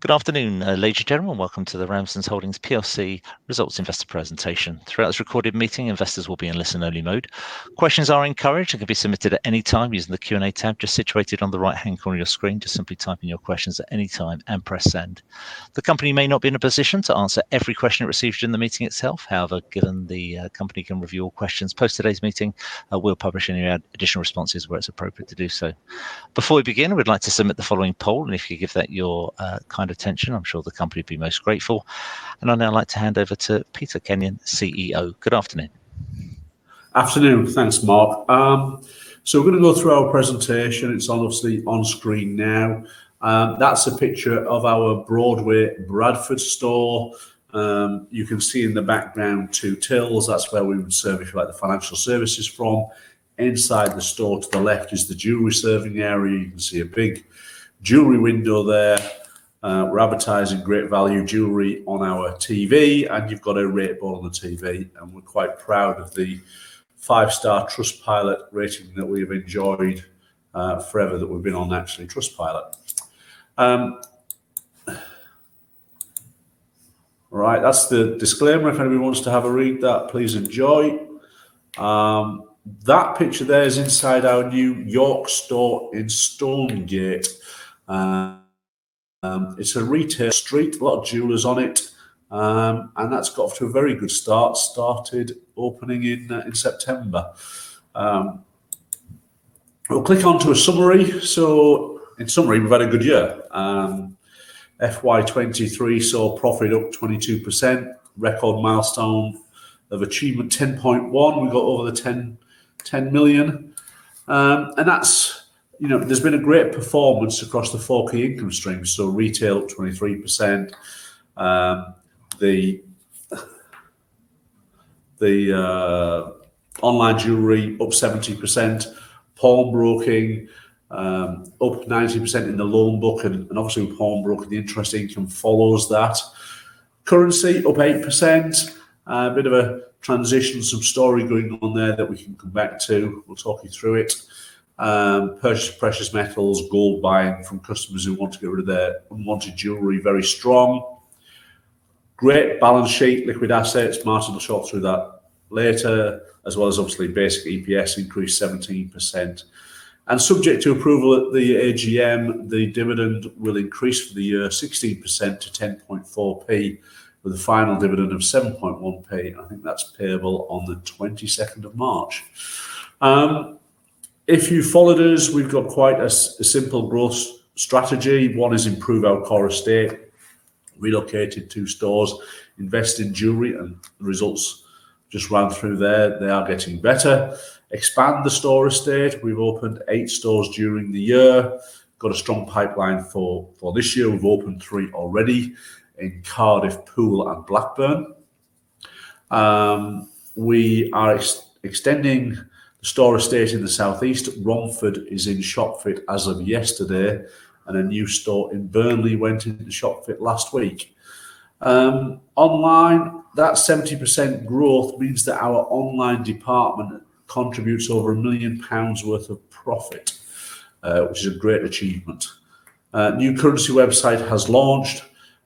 Good afternoon, ladies and gentlemen. Welcome to the Ramsdens Holdings PLC Results Investor Presentation. Throughout this recorded meeting, investors will be in listen only mode. Questions are encouraged and can be submitted at any time using the Q&A tab just situated on the right-hand corner of your screen. Just simply type in your questions at any time and press send. The company may not be in a position to answer every question it receives during the meeting itself. However, given the company can review all questions post today's meeting, we'll publish any additional responses where it's appropriate to do so. Before we begin, we'd like to submit the following poll, and if you give that your kind attention, I'm sure the company will be most grateful. I'd now like to hand over to Peter Kenyon, CEO. Good afternoon. Afternoon. Thanks, Marc. We're gonna go through our presentation. It's obviously on screen now. That's a picture of our Broadway Bradford store. You can see in the background two tills. That's where we would service, like, the financial services from. Inside the store to the left is the jewelry serving area. You can see a big jewelry window there. We're advertising great value jewelry on our TV, and you've got a rate board on the TV, and we're quite proud of the five-star Trustpilot rating that we've enjoyed, forever that we've been on, actually, Trustpilot. Right. That's the disclaimer if anybody wants to have a read of that, please enjoy. That picture there is inside our York store in Stonegate. It's a retail street, a lot of jewelers on it, and that's got off to a very good start. Started opening in September. We'll click onto a summary. In summary, we've had a good year. FY 2023 saw profit up 22%, record milestone of achievement 10.1. We got over the 10 million. And that's, you know, there's been a great performance across the four key income streams. Retail up 23%. The online jewelry up 70%. Pawnbroking up 90% in the loan book and obviously with pawnbroking, the interest income follows that. Currency up 8%. A bit of a transition sub-story going on there that we can come back to. We'll talk you through it. Purchase of precious metals, gold buying from customers who want to get rid of their unwanted jewelry, very strong. Great balance sheet, liquid assets. Martin will talk through that later. As well as obviously basic EPS increased 17%. Subject to approval at the AGM, the dividend will increase for the year 16% to 10.4p, with a final dividend of 7.1p. I think that's payable on the 22nd of March. If you've followed us, we've got quite a simple growth strategy. One is improve our core estate, relocated two stores, invest in jewelry and the results just ran through there. They are getting better. Expand the store estate. We've opened 8 stores during the year. Got a strong pipeline for this year. We've opened three already in Cardiff, Poole and Blackburn. We are extending the store estate in the southeast. Romford is in shop fit as of yesterday, and a new store in Burnley went into shop fit last week. Online, that 70% growth means that our online department contributes over 1 million pounds worth of profit, which is a great achievement. A new currency website has launched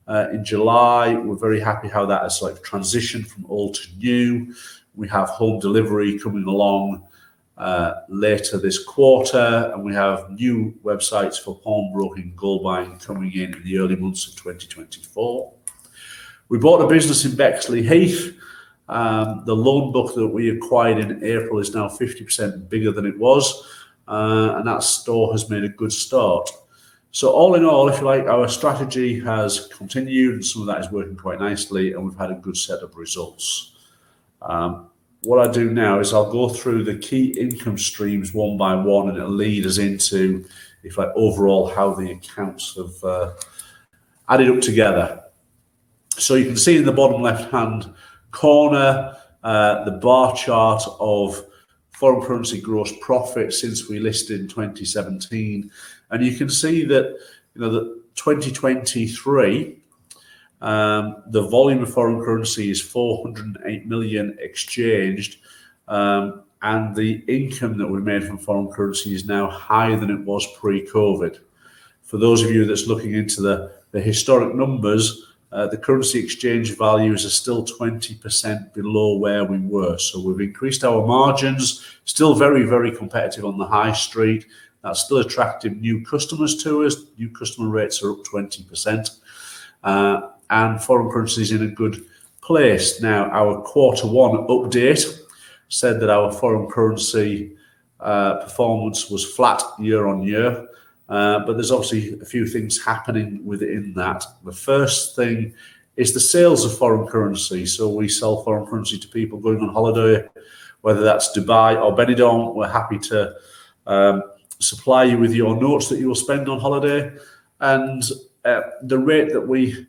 in July. We're very happy how that has, like, transitioned from old to new. We have home delivery coming along later this quarter, and we have new websites for pawnbroking and gold buying coming in the early months of 2024. We bought a business in Bexleyheath. The loan book that we acquired in April is now 50% bigger than it was, and that store has made a good start. All in all, if you like, our strategy has continued, and some of that is working quite nicely, and we've had a good set of results. What I'll do now is I'll go through the key income streams one by one, and it'll lead us into, if you like, overall how the accounts have added up together. You can see in the bottom left-hand corner the bar chart of foreign currency gross profit since we listed in 2017. You can see that, you know, in 2023 the volume of foreign currency is 408 million exchanged, and the income that we made from foreign currency is now higher than it was pre-COVID. For those of you that's looking into the historic numbers, the currency exchange values are still 20% below where we were. We've increased our margins, still very, very competitive on the high street. That's still attracting new customers to us. New customer rates are up 20%. Foreign currency is in a good place. Now, our quarter one update said that our foreign currency performance was flat year-on-year. There's obviously a few things happening within that. The first thing is the sales of foreign currency. We sell foreign currency to people going on holiday, whether that's Dubai or Benidorm, we're happy to supply you with your notes that you will spend on holiday. The rate that we...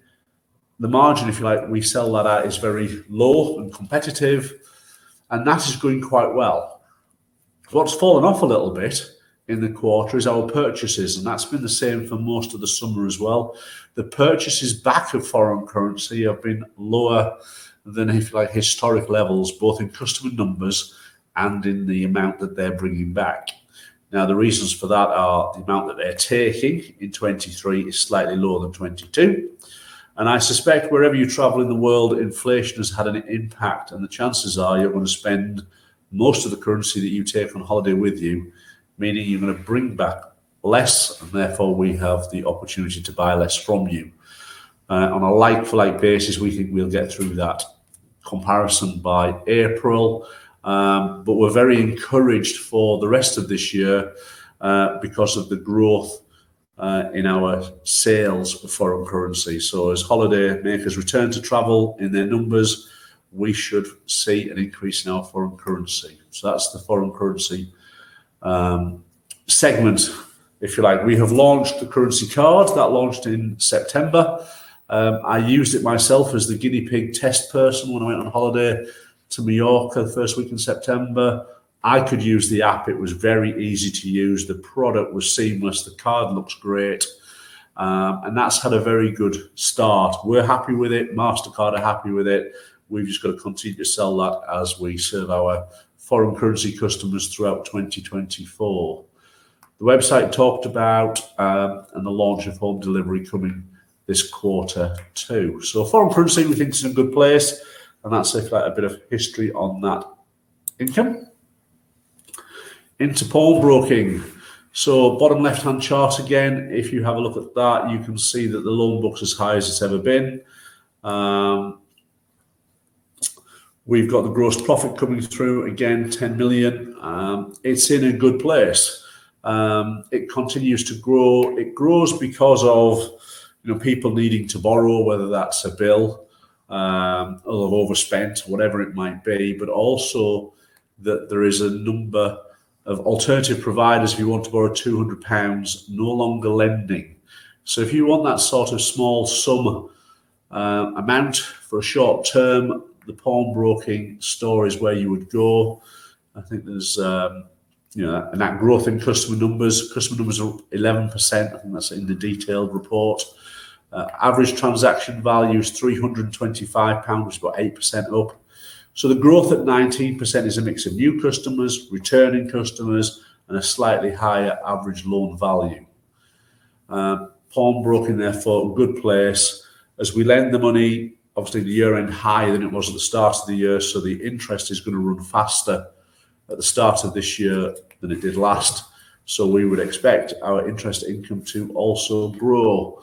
The margin, if you like, we sell that at is very low and competitive, and that is growing quite well. What's fallen off a little bit in the quarter is our purchases, and that's been the same for most of the summer as well. The purchases of foreign currency have been lower than unlike historic levels, both in customer numbers and in the amount that they're bringing back. Now, the reasons for that are the amount that they're taking in 2023 is slightly lower than 2022. I suspect wherever you travel in the world, inflation has had an impact and the chances are you're gonna spend most of the currency that you take on holiday with you, meaning you're gonna bring back less, and therefore we have the opportunity to buy less from you. On a like-for-like basis, we think we'll get through that comparison by April. We're very encouraged for the rest of this year because of the growth in our sales of foreign currency. As holiday makers return to travel in their numbers, we should see an increase in our foreign currency. That's the foreign currency segment, if you like. We have launched the currency card. That launched in September. I used it myself as the guinea pig test person when I went on holiday to Majorca the first week in September. I could use the app. It was very easy to use. The product was seamless. The card looks great. That's had a very good start. We're happy with it. Mastercard are happy with it. We've just got to continue to sell that as we serve our foreign currency customers throughout 2024. The website talked about and the launch of home delivery coming this quarter too. Foreign currency we think is in a good place, and that's like a bit of history on that income. Into pawnbroking. Bottom left-hand chart again, if you have a look at that, you can see that the loan book's as high as it's ever been. We've got the gross profit coming through again, 10 million. It's in a good place. It continues to grow. It grows because of, you know, people needing to borrow, whether that's a bill or they've overspent, whatever it might be. Also that there is a number of alternative providers who want to lend 200 pounds no longer lending. If you want that sort of small sum, amount for a short term, the pawnbroking store is where you would go. I think there's, you know, and that growth in customer numbers. Customer numbers are up 11%. I think that's in the detailed report. Average transaction value is 325 pounds which is about 8% up. The growth at 19% is a mix of new customers, returning customers, and a slightly higher average loan value. Pawnbroking therefore a good place. As we lend the money, obviously the year-end higher than it was at the start of the year, so the interest is gonna run faster at the start of this year than it did last. We would expect our interest income to also grow.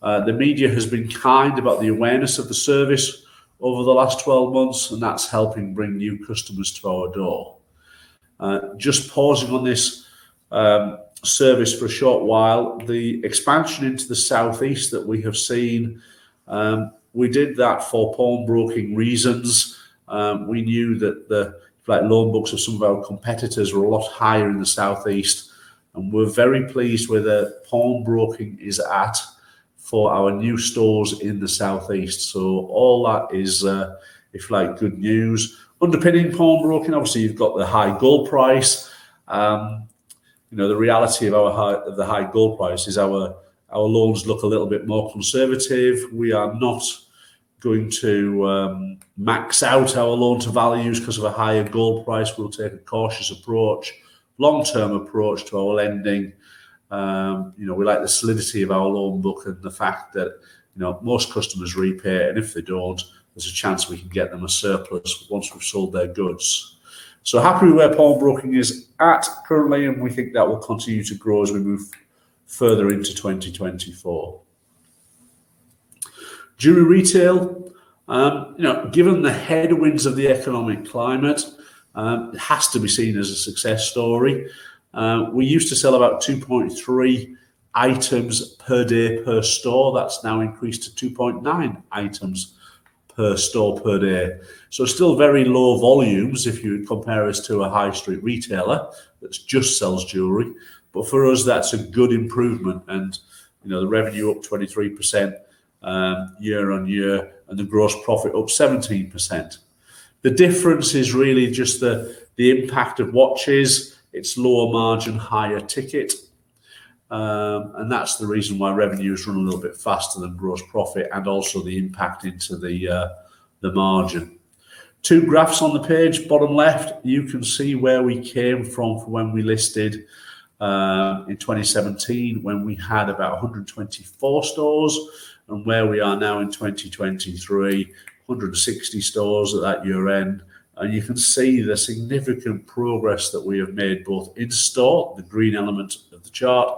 The media has been kind about the awareness of the service over the last 12 months, and that's helping bring new customers to our door. Just pausing on this service for a short while. The expansion into the South East that we have seen, we did that for pawnbroking reasons. We knew that the like loan books of some of our competitors were a lot higher in the South East, and we're very pleased where the pawnbroking is at for our new stores in the South East. All that is, if like good news. Underpinning pawnbroking, obviously, you've got the high gold price. You know, the reality of the high gold price is our loans look a little bit more conservative. We are not going to max out our loan-to-values 'cause of a higher gold price. We'll take a cautious approach, long-term approach to our lending. You know, we like the solidity of our loan book and the fact that, you know, most customers repay, and if they don't, there's a chance we can get them a surplus once we've sold their goods. Happy where pawnbroking is at currently, and we think that will continue to grow as we move further into 2024. Jewelry retail, you know, given the headwinds of the economic climate, it has to be seen as a success story. We used to sell about 2.3 items per day per store. That's now increased to 2.9 items per store per day. Still very low volumes if you compare us to a high street retailer that just sells jewelry. For us, that's a good improvement. You know, the revenue up 23% year-on-year, and the gross profit up 17%. The difference is really just the impact of watches. It's lower margin, higher ticket. That's the reason why revenue has run a little bit faster than gross profit, and also the impact into the margin. Two graphs on the page. Bottom left, you can see where we came from when we listed in 2017 when we had about 124 stores, and where we are now in 2023, 160 stores at that year-end. You can see the significant progress that we have made both in store, the green element of the chart,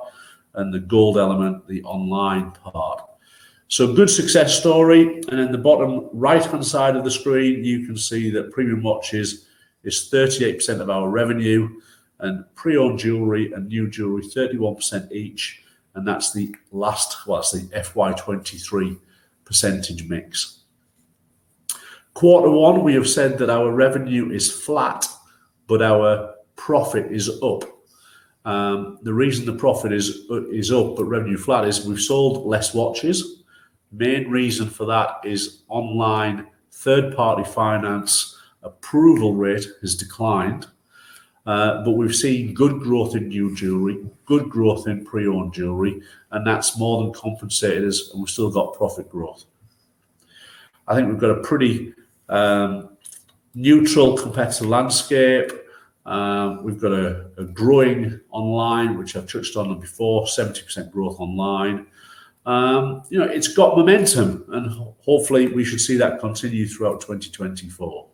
and the gold element, the online part. Good success story. In the bottom right-hand side of the screen, you can see that premium watches is 38% of our revenue, and pre-owned jewelry and new jewelry, 31% each, and that's the FY 2023 percentage mix. Quarter one, we have said that our revenue is flat, but our profit is up. The reason the profit is up but revenue flat is we've sold less watches. Main reason for that is online third-party finance approval rate has declined. But we've seen good growth in new jewelry, good growth in pre-owned jewelry, and that's more than compensated us, and we've still got profit growth. I think we've got a pretty neutral competitive landscape. We've got a growing online, which I've touched on before, 70% growth online. You know, it's got momentum, and hopefully, we should see that continue throughout 2024.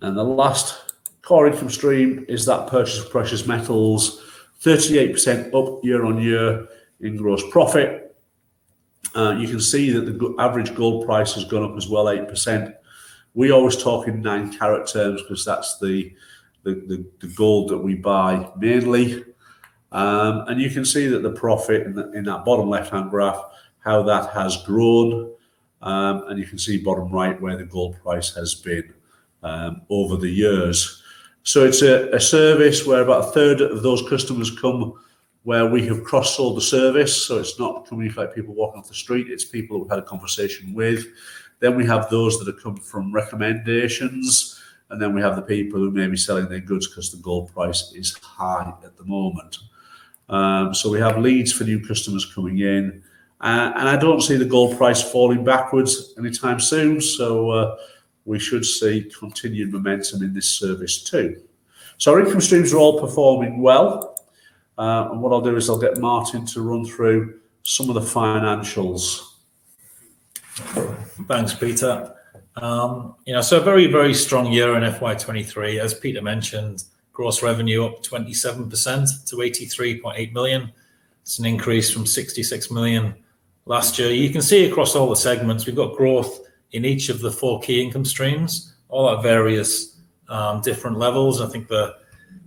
The last core income stream is that purchase of precious metals, 38% up year-on-year in gross profit. You can see that the average gold price has gone up as well 8%. We always talk in nine karat terms because that's the gold that we buy mainly. You can see that the profit in that bottom left-hand graph, how that has grown, and you can see bottom right where the gold price has been over the years. So it's a service where about a third of those customers come where we have cross-sold the service, so it's not coming from people walking off the street, it's people we've had a conversation with. We have those that have come from recommendations, and then we have the people who may be selling their goods 'cause the gold price is high at the moment. We have leads for new customers coming in, and I don't see the gold price falling backwards anytime soon, so we should see continued momentum in this service too. Our income streams are all performing well, and what I'll do is I'll get Martin to run through some of the financials. Thanks, Peter. A very, very strong year in FY 2023. As Peter mentioned, gross revenue up 27% to 83.8 million. It's an increase from 66 million last year. You can see across all the segments, we've got growth in each of the four key income streams, all at various, different levels. I think the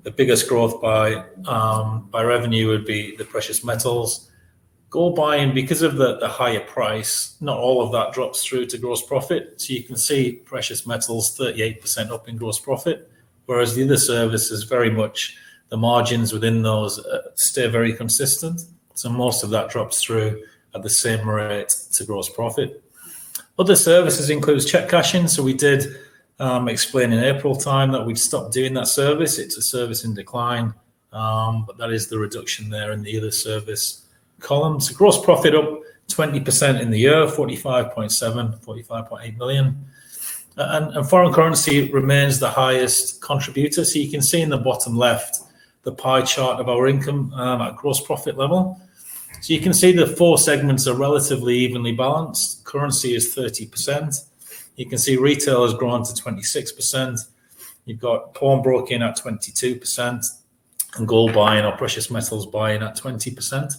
biggest growth by revenue would be the precious metals. Gold buying, because of the higher price, not all of that drops through to gross profit. You can see precious metals 38% up in gross profit, whereas the other services very much, the margins within those, stay very consistent. Most of that drops through at the same rate to gross profit. Other services includes check cashing, so we did explain in April time that we've stopped doing that service. It's a service in decline, but that is the reduction there in the other service columns. Gross profit up 20% in the year, 45.7-45.8 million. Foreign currency remains the highest contributor. You can see in the bottom left the pie chart of our income at gross profit level. You can see the four segments are relatively evenly balanced. Currency is 30%. You can see retail has grown to 26%. You've got pawnbroking at 22% and gold buying or precious metals buying at 20%.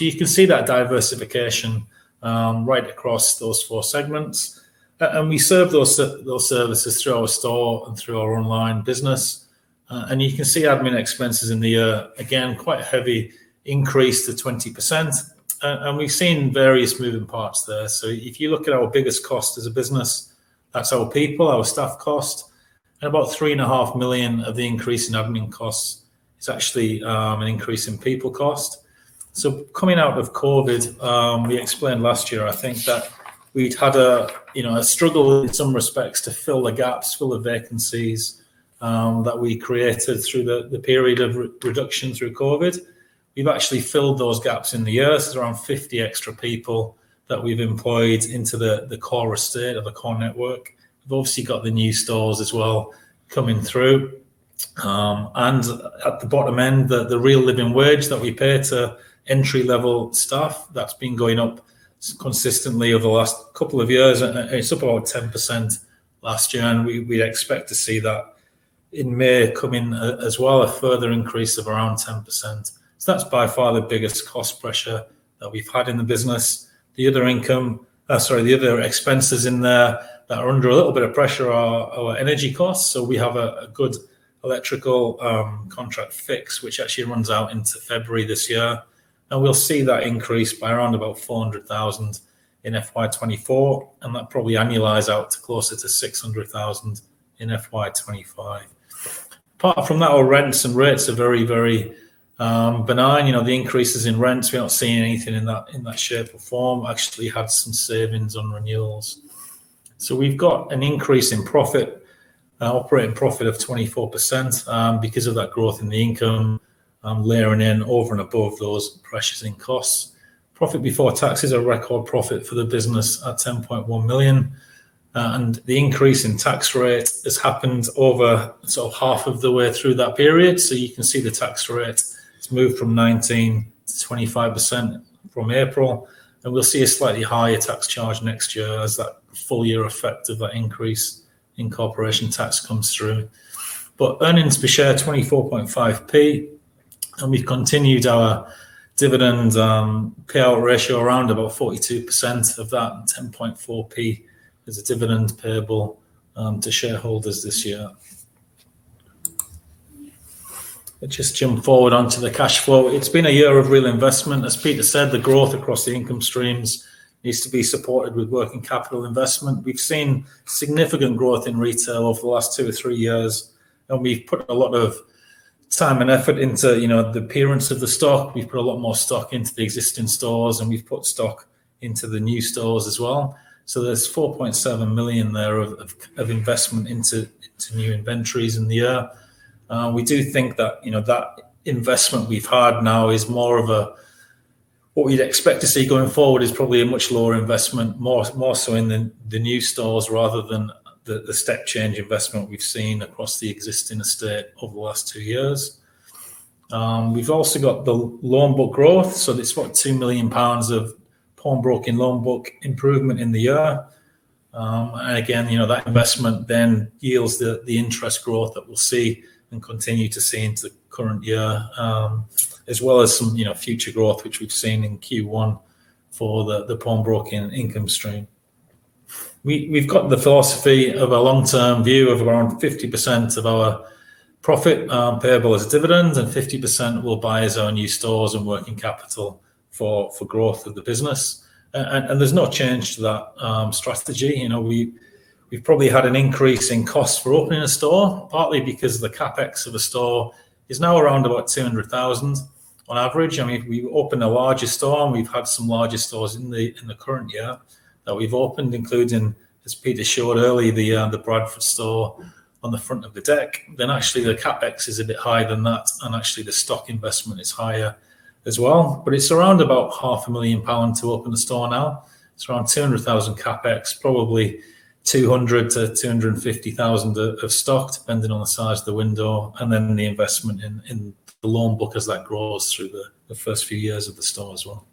You can see that diversification right across those four segments. We serve those services through our store and through our online business. You can see admin expenses in the year, again, quite a heavy increase to 20%. We've seen various moving parts there. If you look at our biggest cost as a business, that's our people, our staff cost. About 3.5 million of the increase in admin costs is actually an increase in people cost. Coming out of COVID, we explained last year, I think, that we'd had, you know, a struggle in some respects to fill the gaps, fill the vacancies, that we created through the period of reduction through COVID. We've actually filled those gaps in the year. There's around 50 extra people that we've employed into the core estate or the core network. We've obviously got the new stores as well coming through. At the bottom end, the Real Living Wage that we pay to entry-level staff, that's been going up consistently over the last couple of years. It's up about 10% last year, and we expect to see that in May coming as well, a further increase of around 10%. That's by far the biggest cost pressure that we've had in the business. The other expenses in there that are under a little bit of pressure are our energy costs. We have a good electrical contract fix which actually runs out into February this year. We'll see that increase by around about 400,000 in FY 2024, and that probably annualize out to closer to 600,000 in FY 2025. Apart from that, our rents and rates are very benign. You know, the increases in rents, we're not seeing anything in that shape or form. Actually had some savings on renewals. We've got an increase in profit, operating profit of 24%, because of that growth in the income, layering in over and above those pressures in costs. Profit before tax is a record profit for the business at 10.1 million. The increase in tax rate has happened over sort of half of the way through that period. You can see the tax rate has moved from 19%-25% from April, and we'll see a slightly higher tax charge next year as that full year effect of that increase in Corporation Tax comes through. Earnings per share, 24.5p, and we've continued our dividend, payout ratio around about 42% of that, 10.4p as a dividend payable, to shareholders this year. Let's just jump forward onto the cash flow. It's been a year of real investment. As Peter said, the growth across the income streams needs to be supported with working capital investment. We've seen significant growth in retail over the last two to three years, and we've put a lot of time and effort into, you know, the appearance of the stock. We've put a lot more stock into the existing stores, and we've put stock into the new stores as well. There's 4.7 million there of investment into new inventories in the year. We do think that, you know, that investment we've had now is more of a. What we'd expect to see going forward is probably a much lower investment, more so in the new stores rather than the step change investment we've seen across the existing estate over the last two years. We've also got the loan book growth, so that's what, 2 million pounds of pawnbroking loan book improvement in the year. Again, you know, that investment then yields the interest growth that we'll see and continue to see into the current year, as well as some, you know, future growth which we've seen in Q1 for the pawnbroking income stream. We've got the philosophy of a long-term view of around 50% of our profit payable as dividends, and 50% will buy its own new stores and working capital for growth of the business. There's no change to that strategy. You know, we've probably had an increase in costs for opening a store, partly because the CapEx of a store is now around about 200,000 on average. I mean, if we open a larger store, and we've had some larger stores in the current year that we've opened, including, as Peter showed earlier, the Bradford store on the front of the deck, then actually the CapEx is a bit higher than that, and actually the stock investment is higher as well. It's around about 0.5 Million pounds to open a store now. It's around 200,000 CapEx, probably 200,000-250,000 of stock, depending on the size of the window, and then the investment in the loan book as that grows through the first few years of the store as well.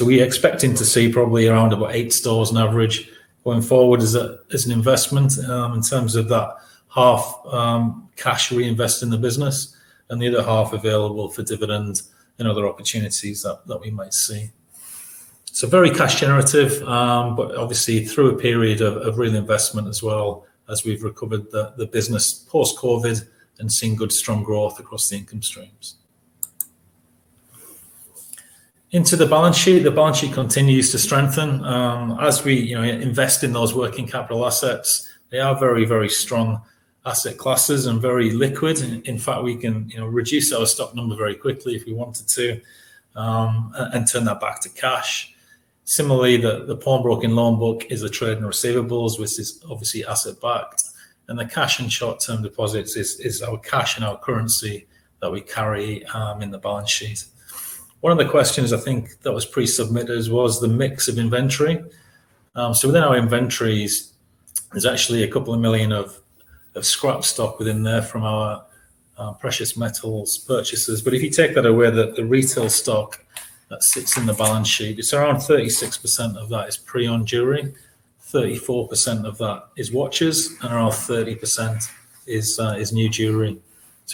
We're expecting to see probably around about eight stores on average going forward as an investment in terms of that half cash reinvest in the business and the other half available for dividends and other opportunities that we might see. Very cash generative but obviously through a period of real investment as well as we've recovered the business post-COVID and seen good strong growth across the income streams. Into the balance sheet. The balance sheet continues to strengthen. As we you know invest in those working capital assets, they are very strong asset classes and very liquid. In fact, we can you know reduce our stock number very quickly if we wanted to and turn that back to cash. Similarly, the pawnbroking loan book is a trade in receivables, which is obviously asset-backed, and the cash and short-term deposits is our cash and our currency that we carry in the balance sheet. One of the questions I think that was pre-submitted was the mix of inventory. Within our inventories, there's actually 2 million of scrap stock within there from our precious metals purchases. If you take that away, the retail stock that sits in the balance sheet, it's around 36% of that is pre-owned jewelry, 34% of that is watches, and around 30% is new jewelry.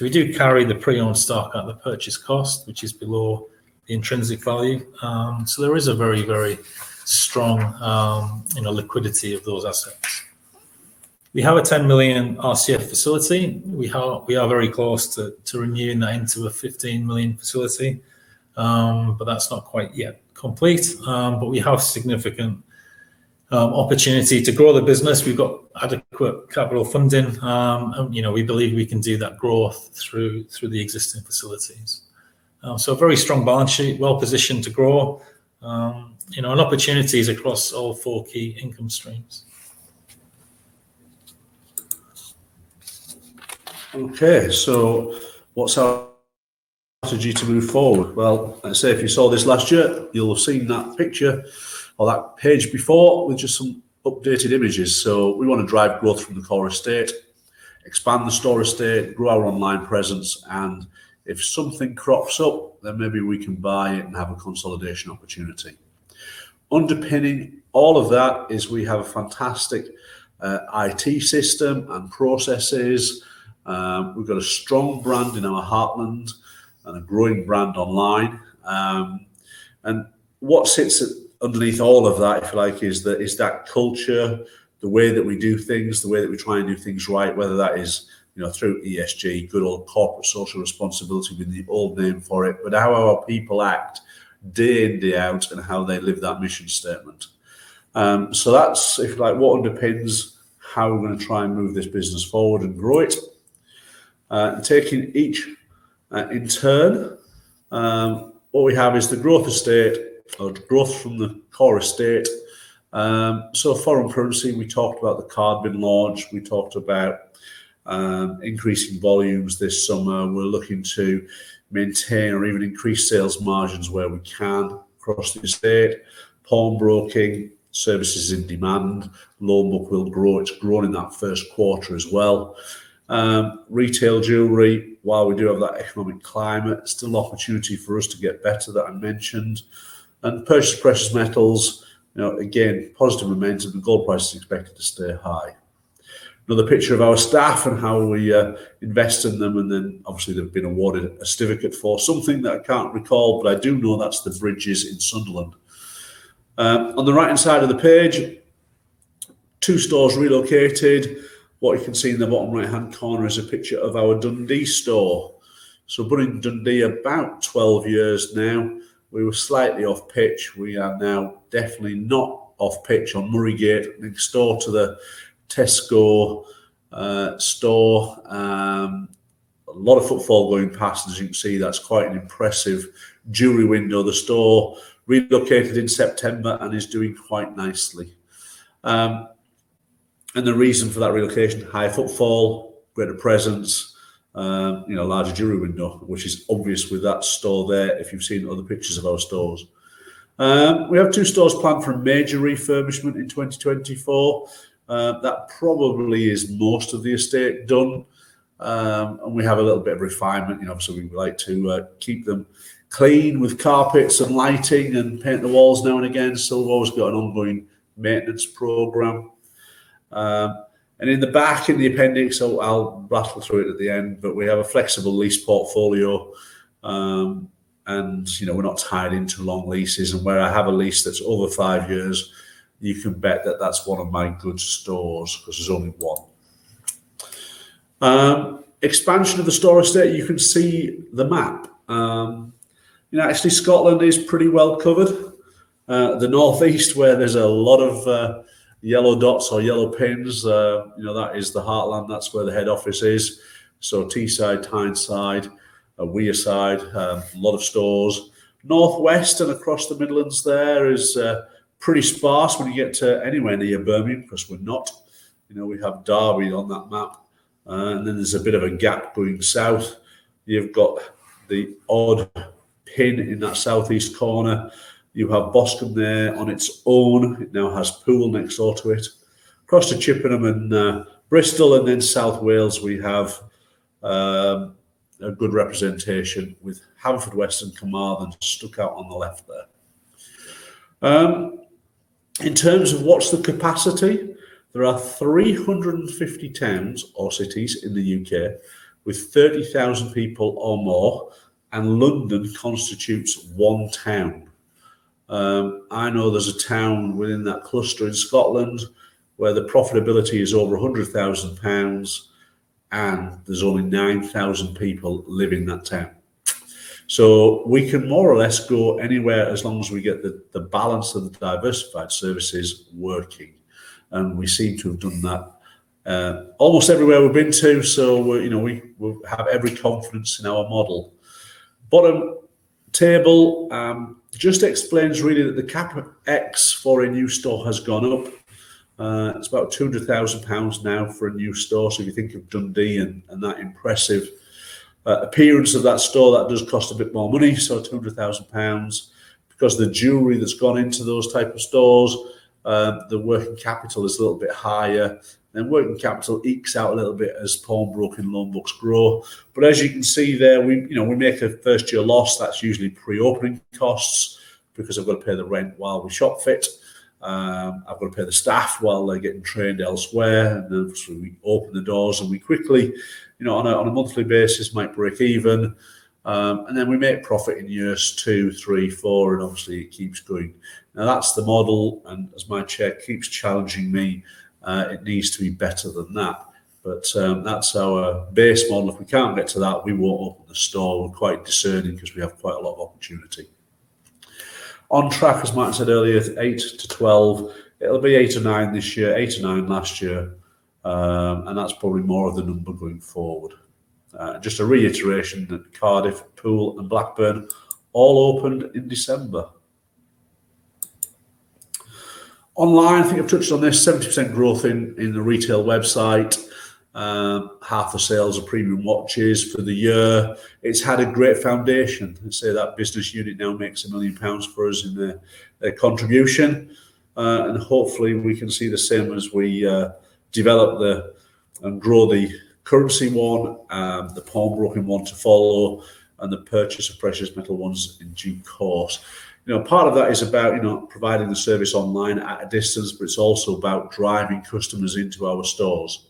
We do carry the pre-owned stock at the purchase cost, which is below the intrinsic value. There is a very strong, you know, liquidity of those assets. We have a 10 million RCF facility. We are very close to renewing that into a 15 million facility, but that's not quite yet complete. We have significant opportunity to grow the business. We've got adequate capital funding, and you know, we believe we can do that growth through the existing facilities. A very strong balance sheet, well positioned to grow, you know, and opportunities across all four key income streams. Okay. What's our strategy to move forward? Well, as I say, if you saw this last year, you'll have seen that picture or that page before with just some updated images. We want to drive growth from the core estate, expand the store estate, grow our online presence, and if something crops up, then maybe we can buy it and have a consolidation opportunity. Underpinning all of that is we have a fantastic IT system and processes. We've got a strong brand in our heartland and a growing brand online. What sits underneath all of that, if you like, is that culture, the way that we do things, the way that we try and do things right, whether that is, you know, through ESG, good old corporate social responsibility being the old name for it. How our people act day in, day out, and how they live that mission statement. That's, if you like, what underpins how we're going to try and move this business forward and grow it. Taking each in turn, what we have is the growth estate or growth from the core estate. Foreign currency, we talked about the card being launched, we talked about increasing volumes this summer. We're looking to maintain or even increase sales margins where we can across the estate. Pawnbroking service is in demand. Loan book will grow. It's grown in that Q1 as well. Retail jewelry, while we do have that economic climate, still opportunity for us to get better that I mentioned. Purchase precious metals, you know, again, positive momentum. The gold price is expected to stay high. Another picture of our staff and how we invest in them, and then obviously they've been awarded a certificate for something that I can't recall, but I do know that's the Bridges in Sunderland. On the right-hand side of the page. Two stores relocated. What you can see in the bottom right-hand corner is a picture of our Dundee store. We've been in Dundee about 12 years now. We were slightly off-pitch. We are now definitely not off-pitch on Murraygate next door to the Tesco store. A lot of footfall going past. As you can see, that's quite an impressive jewelry window. The store relocated in September and is doing quite nicely. The reason for that relocation, higher footfall, greater presence, you know, larger jewelry window, which is obvious with that store there if you've seen other pictures of our stores. We have two stores planned for a major refurbishment in 2024. That probably is most of the estate done. We have a little bit of refinement. You know, obviously, we like to keep them clean with carpets and lighting and paint the walls now and again. We've always got an ongoing maintenance program. In the back, in the appendix, I'll rattle through it at the end, but we have a flexible lease portfolio. You know, we're not tied into long leases. Where I have a lease that's over five years, you can bet that that's one of my good stores because there's only one. Expansion of the store estate, you can see the map. You know, actually, Scotland is pretty well covered. The Northeast, where there's a lot of yellow dots or yellow pins, you know, that is the heartland. That's where the head office is. Teesside, Tyneside, Wearside, lot of stores. Northwest and across the Midlands there is pretty sparse when you get to anywhere near Birmingham because we're not. You know, we have Derby on that map. And then there's a bit of a gap going south. You've got the odd pin in that Southeast corner. You have Boscombe there on its own. It now has Poole next door to it. Across to Chippenham and Bristol, and then South Wales, we have a good representation with Haverfordwest and Carmarthen stuck out on the left there. In terms of what's the capacity, there are 350 towns or cities in the U.K. with 30,000 people or more, and London constitutes one town. I know there's a town within that cluster in Scotland where the profitability is over 100,000 pounds, and there's only 9,000 people live in that town. We can more or less go anywhere as long as we get the balance of the diversified services working, and we seem to have done that almost everywhere we've been to. You know, we have every confidence in our model. Bottom table just explains really that the CapEx for a new store has gone up. It's about 200,000 pounds now for a new store. If you think of Dundee and that impressive appearance of that store, that does cost a bit more money, so 200,000 pounds. Because the jewelry that's gone into those type of stores, the working capital is a little bit higher. Working capital ekes out a little bit as pawnbroking loan books grow. But as you can see there, you know, we make a first-year loss. That's usually pre-opening costs because I've got to pay the rent while we shopfit. I've got to pay the staff while they're getting trained elsewhere. Then obviously, we open the doors, and we quickly, you know, on a monthly basis might break even. Then we make profit in years two, three, four, and obviously it keeps going. Now that's the model, and as my Chair keeps challenging me, it needs to be better than that. That's our base model. If we can't get to that, we won't open the store. We're quite discerning because we have quite a lot of opportunity. On track, as Martin said earlier, eight to 12. It'll be eight or nine this year, eight or nine last year, and that's probably more of the number going forward. Just a reiteration that Cardiff, Poole, and Blackburn all opened in December. Online, I think I've touched on this, 70% growth in the retail website. Half the sales are premium watches for the year. It's had a great foundation. Let's say that business unit now makes 1 million pounds for us in a contribution. Hopefully, we can see the same as we develop and grow the currency one, the pawnbroking one to follow, and the purchase of precious metal ones in due course. You know, part of that is about, you know, providing the service online at a distance, but it's also about driving customers into our stores.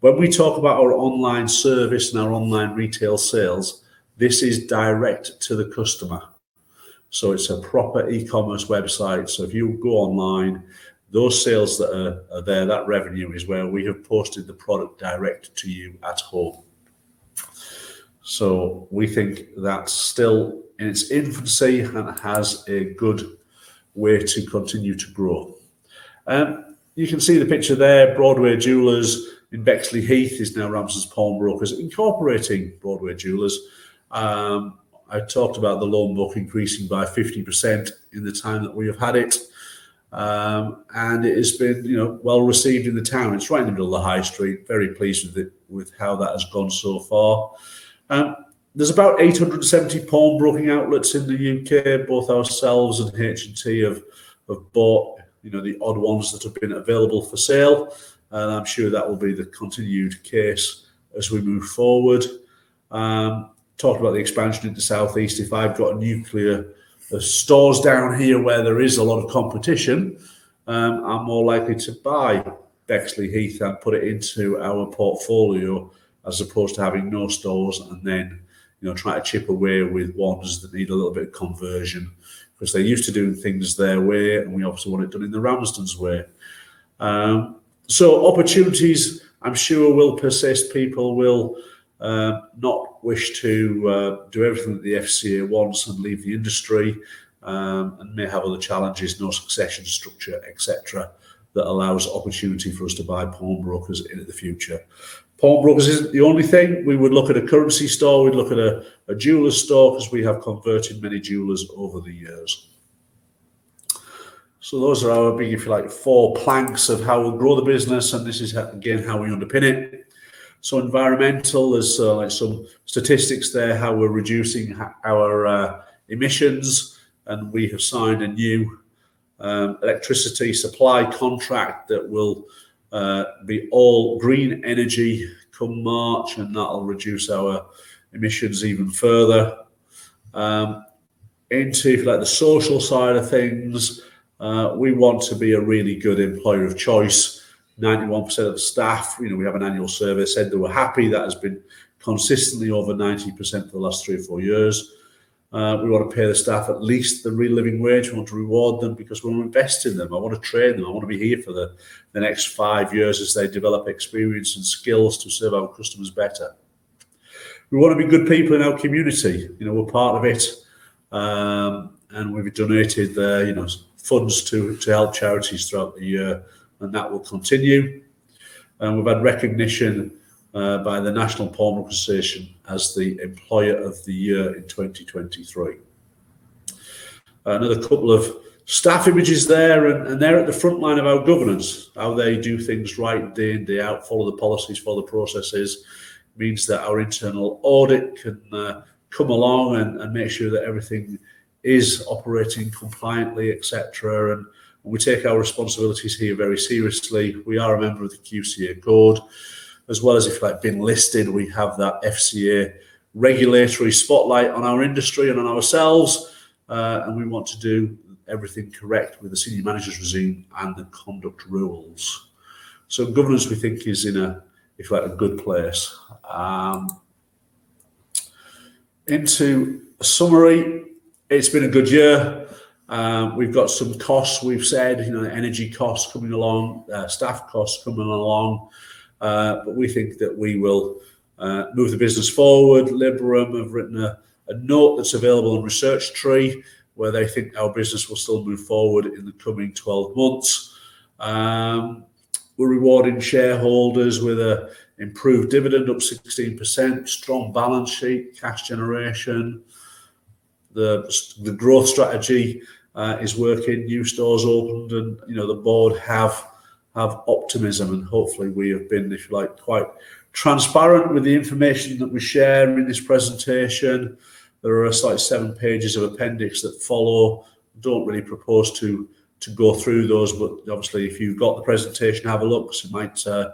When we talk about our online service and our online retail sales, this is direct to the customer. It's a proper e-commerce website. If you go online, those sales that are there, that revenue is where we have posted the product direct to you at home. We think that's still in its infancy and has a good way to continue to grow. You can see the picture there, Broadway Jewellers in Bexleyheath is now Ramsdens Pawnbrokers incorporating Broadway Jewellers. I talked about the loan book increasing by 50% in the time that we have had it. It has been, you know, well received in the town. It's right in the middle of the high street. Very pleased with it, with how that has gone so far. There's about 870 pawnbroking outlets in the U.K., both ourselves and H&T have bought, you know, the odd ones that have been available for sale. I'm sure that will be the continued case as we move forward. Talked about the expansion into Southeast. If I've got nucleus, the stores down here where there is a lot of competition, I'm more likely to buy Bexleyheath and put it into our portfolio as opposed to having no stores and then, you know, try to chip away with ones that need a little bit of conversion. Because they're used to doing things their way, and we obviously want it done in the Ramsdens way. Opportunities I'm sure will persist. People will not wish to do everything that the FCA wants and leave the industry, and may have other challenges, no succession structure, et cetera, that allows opportunity for us to buy pawnbrokers in the future. Pawnbrokers isn't the only thing. We would look at a currency store, we'd look at a jeweler store because we have converted many jewelers over the years. Those are our big, if you like, four planks of how we'll grow the business and this is again, how we underpin it. Environmental, there's, like some statistics there, how we're reducing our emissions, and we have signed a new electricity supply contract that will be all green energy come March, and that'll reduce our emissions even further. Into if you like, the social side of things, we want to be a really good employer of choice. 91% of the staff, you know, we have an annual survey, said they were happy. That has been consistently over 91% for the last three or four years. We wanna pay the staff at least the Real Living Wage. We want to reward them because we invest in them. I wanna train them. I wanna be here for the next five years as they develop experience and skills to serve our customers better. We wanna be good people in our community. You know, we're part of it. We've donated, you know, funds to help charities throughout the year, and that will continue. We've had recognition by the National Pawnbrokers Association as the Employer of the Year in 2023. Another couple of staff images there, and they're at the frontline of our governance, how they do things right day in, day out, follow the policies, follow the processes, means that our internal audit can come along and make sure that everything is operating compliantly, et cetera. We take our responsibilities here very seriously. We are a member of the QCA Code. As well as if like being listed, we have that FCA regulatory spotlight on our industry and on ourselves, and we want to do everything correct with the Senior Managers Regime and the Conduct Rules. Governance we think is in a, if you like, a good place. Into a summary. It's been a good year. We've got some costs, we've said, you know, energy costs coming along, staff costs coming along. We think that we will move the business forward. Liberum have written a note that's available on Research Tree where they think our business will still move forward in the coming 12 months. We're rewarding shareholders with a improved dividend up 16%, strong balance sheet, cash generation. The growth strategy is working, new stores opened and, you know, the board have optimism and hopefully we have been, if you like, quite transparent with the information that we share in this presentation. There are seven pages of appendix that follow. Don't really propose to go through those, but obviously if you've got the presentation, have a look because it might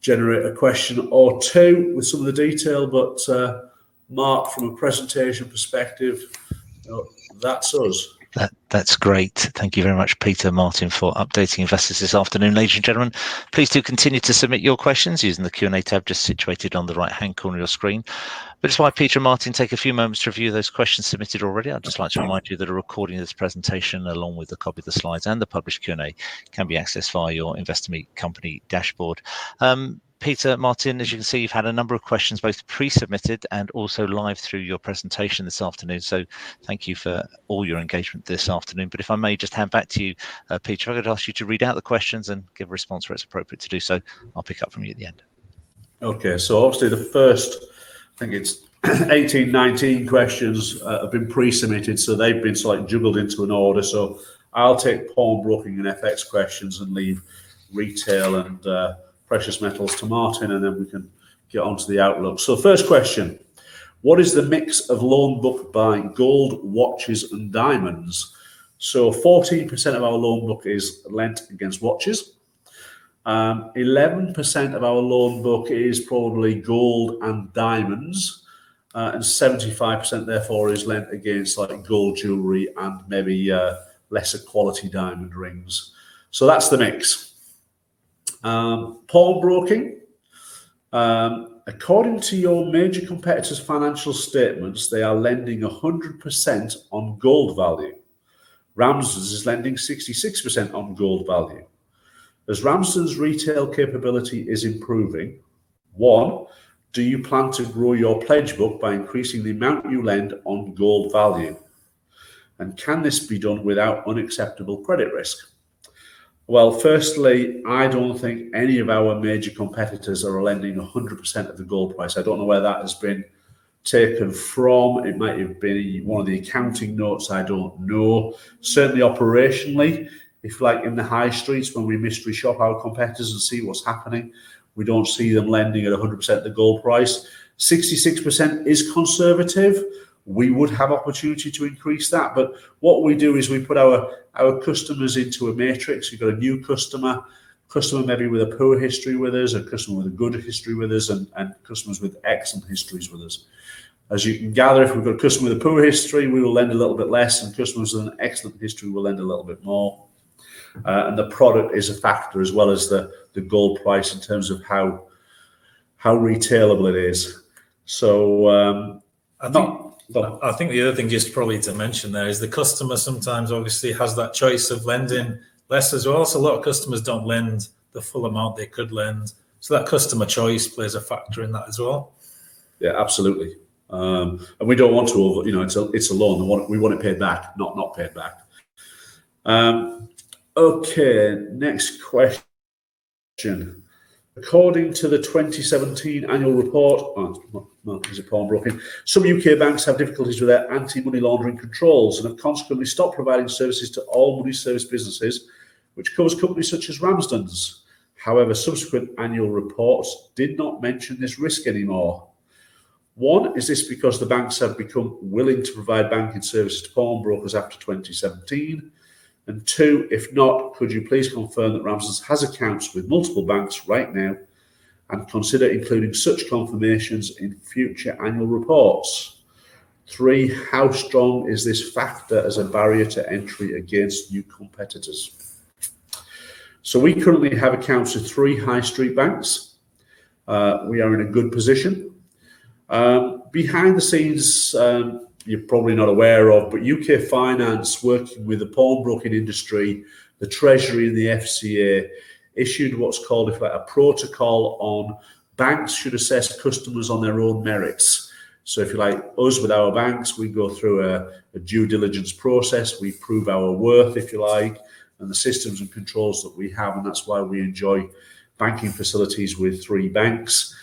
generate a question or two with some of the detail. Marc, from a presentation perspective, that's us. That's great. Thank you very much, Peter, Martin, for updating investors this afternoon. Ladies and gentlemen, please do continue to submit your questions using the Q&A tab just situated on the right-hand corner of your screen. Just while Peter and Martin take a few moments to review those questions submitted already, I'd just like to remind you that a recording of this presentation, along with a copy of the slides and the published Q&A, can be accessed via your Investor Meet Company dashboard. Peter, Martin, as you can see, you've had a number of questions both pre-submitted and also live through your presentation this afternoon, so thank you for all your engagement this afternoon. If I may just hand back to you, Peter, I'm gonna ask you to read out the questions and give a response where it's appropriate to do so. I'll pick up from you at the end. Okay. Obviously the first, I think it's 18, 19 questions, have been pre-submitted, so they've been slightly juggled into an order. I'll take pawnbroking and FX questions and leave retail and precious metals to Martin, and then we can get onto the outlook. First question, what is the mix of loan book by gold, watches and diamonds? 14% of our loan book is lent against watches. 11% of our loan book is probably gold and diamonds. 75% therefore is lent against like gold jewelry and maybe lesser quality diamond rings. That's the mix. Pawnbroking. According to your major competitors' financial statements, they are lending 100% on gold value. Ramsdens is lending 66% on gold value. As Ramsdens' retail capability is improving, one, do you plan to grow your pledge book by increasing the amount you lend on gold value? Can this be done without unacceptable credit risk? Well, firstly, I don't think any of our major competitors are lending 100% of the gold price. I don't know where that has been taken from. It might have been one of the accounting notes, I don't know. Certainly operationally, if like in the high streets when we mystery shop our competitors and see what's happening, we don't see them lending at 100% of the gold price. 66% is conservative. We would have opportunity to increase that, but what we do is we put our customers into a matrix. You've got a new customer maybe with a poor history with us, a customer with a good history with us, and customers with excellent histories with us. As you can gather, if we've got a customer with a poor history, we will lend a little bit less, and customers with an excellent history, we'll lend a little bit more. The product is a factor as well as the gold price in terms of how retailable it is. I think the other thing just probably to mention there is the customer sometimes obviously has that choice of lending less as well. A lot of customers don't lend the full amount they could lend. That customer choice plays a factor in that as well. Yeah, absolutely. We don't want to. You know, it's a loan and we want it paid back, not paid back. Okay, next question. According to the 2017 annual report, well, as a pawnbroking, some U.K. banks have difficulties with their anti-money laundering controls and have consequently stopped providing services to all money service businesses which cause companies such as Ramsdens. However, subsequent annual reports did not mention this risk anymore. One, is this because the banks have become willing to provide banking services to pawnbrokers after 2017? Two, if not, could you please confirm that Ramsdens has accounts with multiple banks right now and consider including such confirmations in future annual reports? Three, how strong is this factor as a barrier to entry against new competitors? We currently have accounts with three high street banks. We are in a good position. Behind the scenes, you're probably not aware of, but UK Finance working with the pawnbroking industry, the Treasury, and the FCA issued what's called, if like, a protocol on banks should assess customers on their own merits. If you like, us with our banks, we go through a due diligence process. We prove our worth, if you like, and the systems and controls that we have, and that's why we enjoy banking facilities with three banks.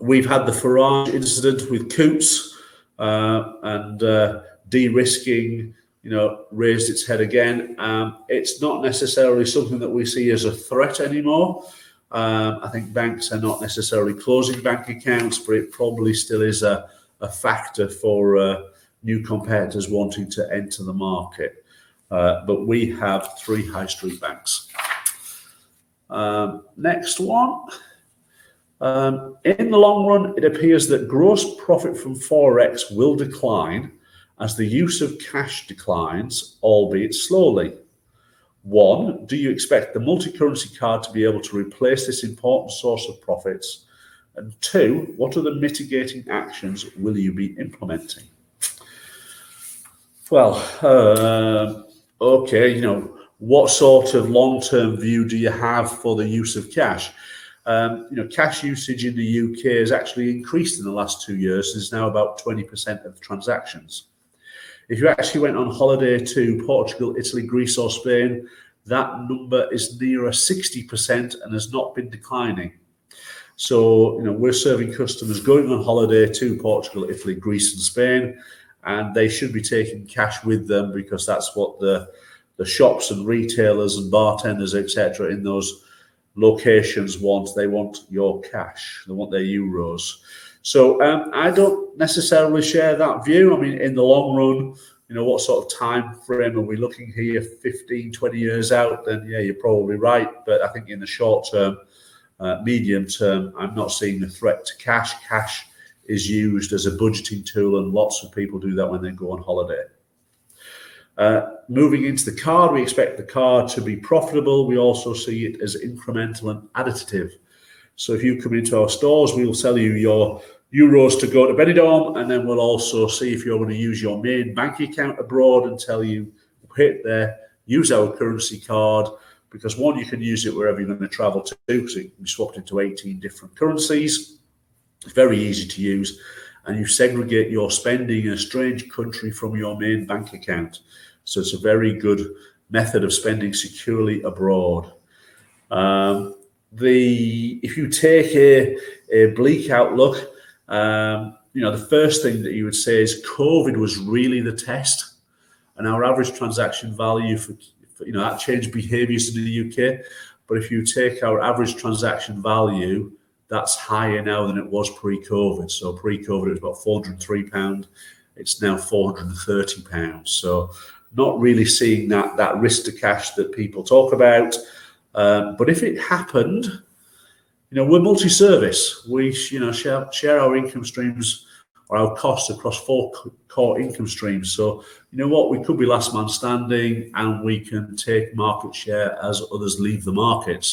We've had the Farage incident with Coutts, and de-risking, you know, raised its head again. It's not necessarily something that we see as a threat anymore. I think banks are not necessarily closing bank accounts, but it probably still is a factor for new competitors wanting to enter the market. We have three high street banks. Next one. In the long run, it appears that gross profit from Forex will decline as the use of cash declines, albeit slowly. One, do you expect the multicurrency card to be able to replace this important source of profits? Two, what are the mitigating actions will you be implementing? You know, what sort of long-term view do you have for the use of cash? You know, cash usage in the U.K. has actually increased in the last two years. It's now about 20% of transactions. If you actually went on holiday to Portugal, Italy, Greece, or Spain, that number is nearer 60% and has not been declining. You know, we're serving customers going on holiday to Portugal, Italy, Greece, and Spain, and they should be taking cash with them because that's what the shops, and retailers, and bartenders, et cetera, in those locations want. They want your cash. They want their euros. I don't necessarily share that view. I mean, in the long run, you know, what sort of timeframe are we looking here? 15, 20 years out, then yeah, you're probably right. I think in the short term, medium term, I'm not seeing a threat to cash. Cash is used as a budgeting tool, and lots of people do that when they go on holiday. Moving into the card, we expect the card to be profitable. We also see it as incremental and additive. If you come into our stores, we will sell you your euros to go to Benidorm, and then we'll also see if you're gonna use your main bank account abroad and tell you, "Hey there. Use our currency card," because, one, you can use it wherever you're gonna travel to because it can be swapped into 18 different currencies, very easy to use, and you segregate your spending in a strange country from your main bank account. It's a very good method of spending securely abroad. If you take a bleak outlook, you know, the first thing that you would say is COVID was really the test, and our average transaction value for, you know, that change of behavior used to do in the U.K.. If you take our average transaction value, that's higher now than it was pre-COVID. Pre-COVID, it's about 403 pound. It's now 430 pounds. Not really seeing that risk to cash that people talk about. But if it happened, you know, we're multi-service. You know, we share our income streams or our costs across four core income streams. You know what? We could be last man standing, and we can take market share as others leave the market.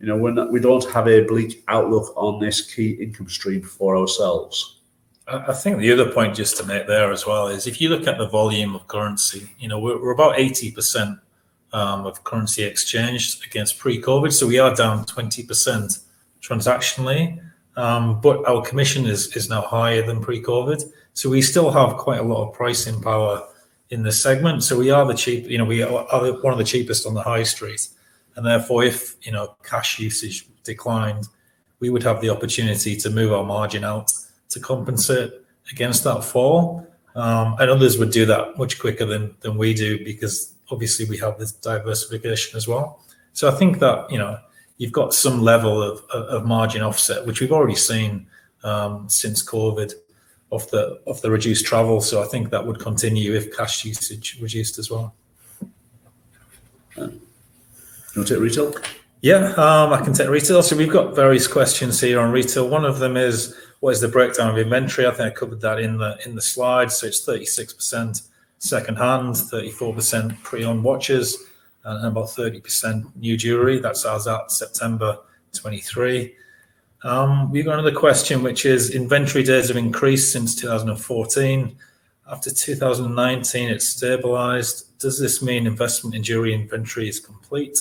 You know, we don't have a bleak outlook on this key income stream for ourselves. I think the other point just to make there as well is if you look at the volume of currency, you know, we're about 80% of currency exchanged against pre-COVID. We are down 20% transactionally. Our commission is now higher than pre-COVID. We still have quite a lot of pricing power in this segment. We are cheap, you know, we are one of the cheapest on the high street. Therefore, if you know, cash usage declined, we would have the opportunity to move our margin out to compensate against that fall. Others would do that much quicker than we do because obviously we have this diversification as well. I think that, you know, you've got some level of margin offset, which we've already seen, since COVID of the reduced travel. I think that would continue if cash usage reduced as well. You wanna take retail? Yeah. I can take retail. We've got various questions here on retail. One of them is what is the breakdown of inventory? I think I covered that in the slides. It's 36% second-hand, 34% pre-owned watches, and about 30% new jewelry. That's as at September 2023. We go on to the question, which is inventory days have increased since 2014. After 2019, it stabilized. Does this mean investment in jewelry inventory is complete?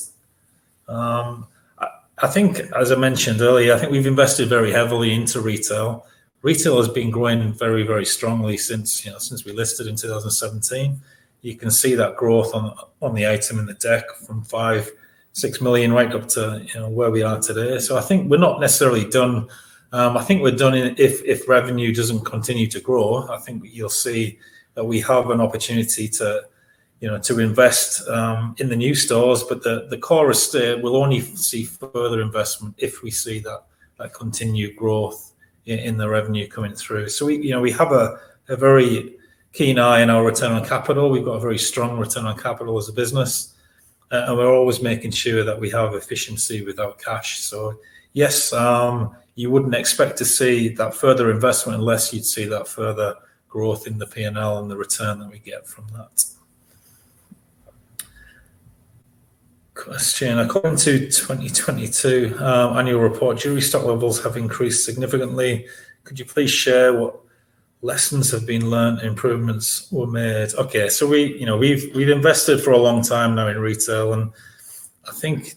I think as I mentioned earlier, I think we've invested very heavily into retail. Retail has been growing very, very strongly since, you know, since we listed in 2017. You can see that growth on the item in the deck from 5-6 million right up to, you know, where we are today. I think we're not necessarily done. I think we're done if revenue doesn't continue to grow. I think you'll see that we have an opportunity to, you know, to invest in the new stores. The core estate will only see further investment if we see that continued growth in the revenue coming through. We, you know, we have a very keen eye on our return on capital. We've got a very strong return on capital as a business. We're always making sure that we have efficiency with our cash. Yes, you wouldn't expect to see that further investment unless you'd see that further growth in the P&L and the return that we get from that. Question, according to 2022 annual report, jewelry stock levels have increased significantly. Could you please share what lessons have been learned, improvements were made? Okay. We've, you know, invested for a long time now in retail, and I think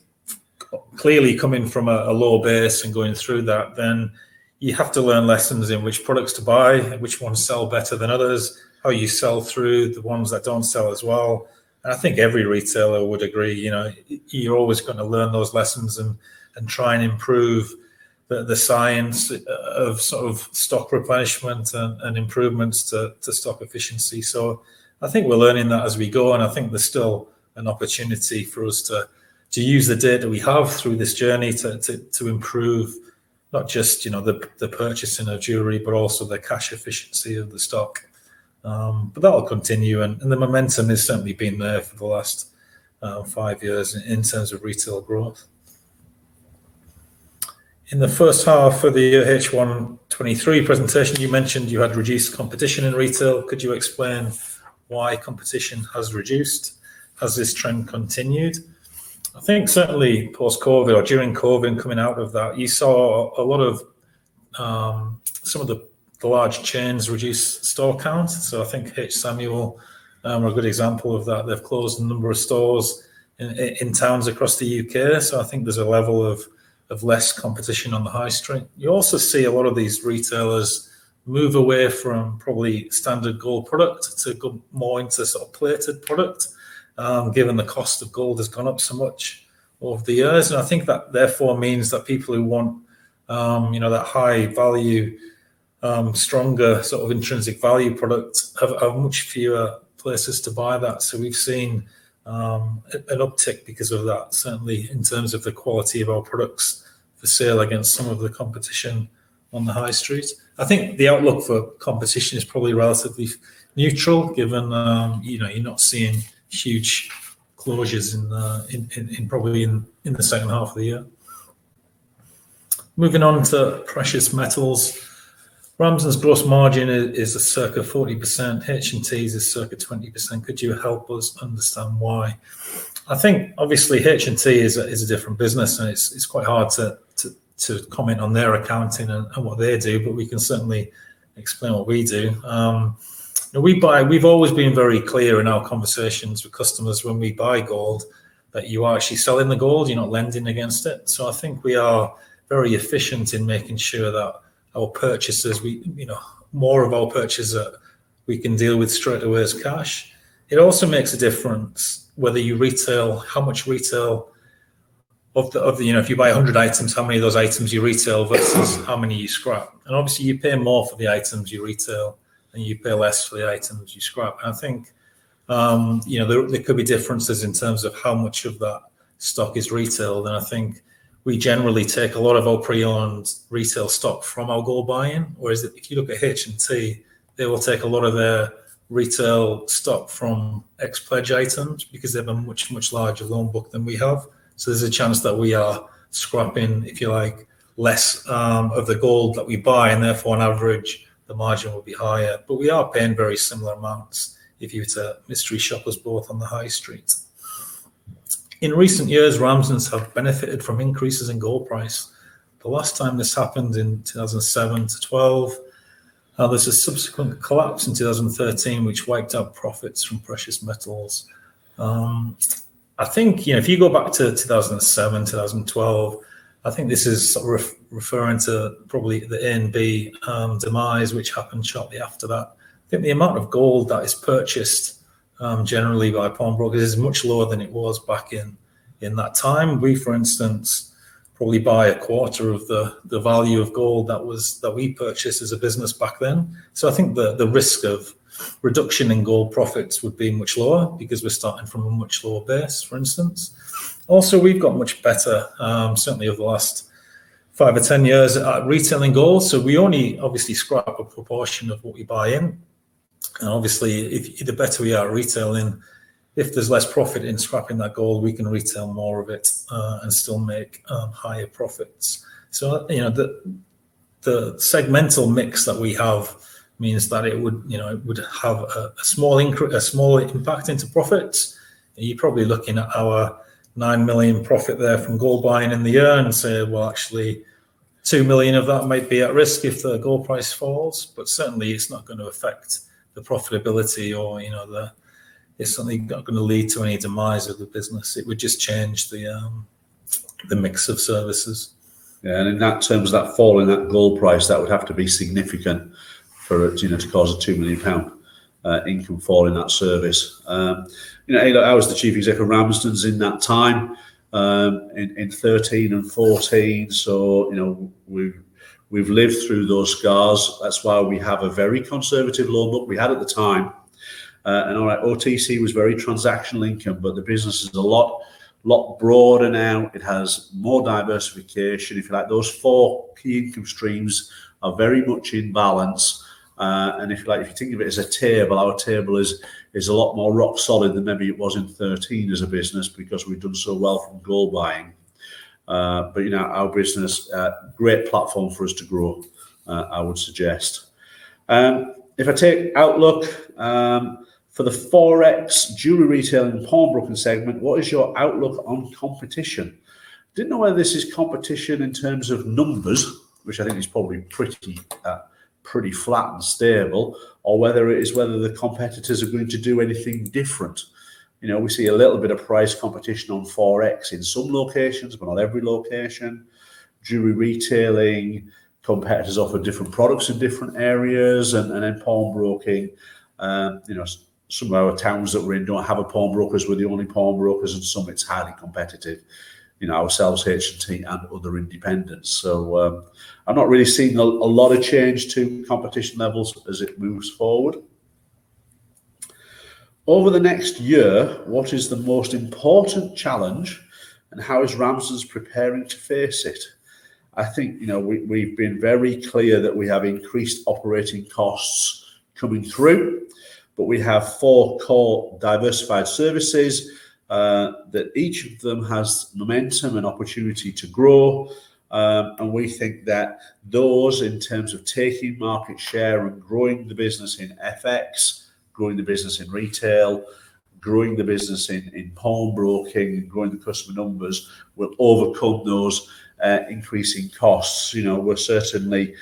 clearly coming from a low base and going through that, then you have to learn lessons in which products to buy, which ones sell better than others, how you sell through the ones that don't sell as well. I think every retailer would agree, you know, you're always gonna learn those lessons and try and improve the science of sort of stock replenishment and improvements to stock efficiency. I think we're learning that as we go, and I think there's still an opportunity for us to use the data we have through this journey to improve not just, you know, the purchasing of jewelry, but also the cash efficiency of the stock. But that will continue and the momentum has certainly been there for the last five years in terms of retail growth. In the first half of the year H1 2023 presentation, you mentioned you had reduced competition in retail. Could you explain why competition has reduced? Has this trend continued? I think certainly post COVID or during COVID, coming out of that, you saw a lot of some of the large chains reduce store count. I think H. Samuel are a good example of that. They've closed a number of stores in towns across the U.K. I think there's a level of less competition on the high street. You also see a lot of these retailers move away from probably standard gold product to go more into sort of plated product, given the cost of gold has gone up so much over the years. I think that therefore means that people who want, you know, that high value, stronger sort of intrinsic value product have much fewer places to buy that. We've seen an uptick because of that, certainly in terms of the quality of our products for sale against some of the competition on the high street. I think the outlook for competition is probably relatively neutral given, you know, you're not seeing huge closures in the second half of the year. Moving on to precious metals. Ramsdens gross margin is a circa 40%, H&T's is circa 20%. Could you help us understand why? I think obviously H&T is a different business, and it's quite hard to comment on their accounting and what they do, but we can certainly explain what we do. You know, we've always been very clear in our conversations with customers when we buy gold that you are actually selling the gold, you're not lending against it. So I think we are very efficient in making sure that our purchases, you know, more of our purchases we can deal with straight away as cash. It also makes a difference whether you retail, how much retail of the, you know, if you buy 100 items, how many of those items you retail versus how many you scrap. Obviously, you pay more for the items you retail, and you pay less for the items you scrap. I think, you know, there could be differences in terms of how much of that stock is retailed. I think we generally take a lot of our pre-owned retail stock from our gold buying. Whereas if you look at H&T, they will take a lot of their retail stock from ex pledge items because they have a much larger loan book than we have. There's a chance that we are scrapping, if you like, less, of the gold that we buy, and therefore on average, the margin will be higher. We are paying very similar amounts if you were to mystery shoppers both on the high street. In recent years, Ramsdens have benefited from increases in gold price. The last time this happened in 2007 to 2012, there was a subsequent collapse in 2013, which wiped out profits from precious metals. I think, you know, if you go back to 2007, 2012, I think this is sort of referring to probably the NB demise, which happened shortly after that. I think the amount of gold that is purchased, generally by a pawnbroker is much lower than it was back in that time. We, for instance, probably buy a quarter of the value of gold that we purchased as a business back then. I think the risk of reduction in gold profits would be much lower because we're starting from a much lower base, for instance. Also, we've got much better, certainly over the last five or 10 years at retailing gold. We only obviously scrap a proportion of what we buy in. Obviously, if the better we are at retailing, if there's less profit in scrapping that gold, we can retail more of it, and still make higher profits. You know, the The segmental mix that we have means that it would, you know, it would have a small impact into profit. You're probably looking at our 9 million profit there from gold buying in the year and say, "Well, actually 2 million of that might be at risk if the gold price falls." Certainly it's not gonna affect the profitability or, you know, the. It's certainly not gonna lead to any demise of the business. It would just change the mix of services. In that terms, that fall in that gold price, that would have to be significant for it, you know, to cause a 2 million pound income fall in that service. Hey, look, I was the chief executive of Ramsdens in that time, in 2013 and 2014. You know, we've lived through those scars. That's why we have a very conservative loan book. We had at the time. Our OTC was very transactional income, but the business is a lot broader now. It has more diversification, if you like. Those four key income streams are very much in balance. If you like, if you think of it as a table, our table is a lot more rock solid than maybe it was in 2013 as a business because we've done so well from gold buying. You know, our business, a great platform for us to grow, I would suggest. If I take outlook for the Forex jewelry retail and pawnbroking segment, what is your outlook on competition? didn't know whether this is competition in terms of numbers, which I think is probably pretty flat and stable, or whether the competitors are going to do anything different. You know, we see a little bit of price competition on Forex in some locations but not every location. Jewelry retailing competitors offer different products in different areas. In pawnbroking, you know, some of our towns that we're in don't have a pawnbrokers. We're the only pawnbrokers. In some it's highly competitive, you know, ourselves, H&T, and other independents. I've not really seen a lot of change to competition levels as it moves forward. Over the next year, what is the most important challenge, and how is Ramsdens preparing to face it? I think, you know, we've been very clear that we have increased operating costs coming through. We have four core diversified services, that each of them has momentum and opportunity to grow. We think that those in terms of taking market share and growing the business in FX, growing the business in retail, growing the business in pawnbroking, and growing the customer numbers will overcome those increasing costs. You know, we're certainly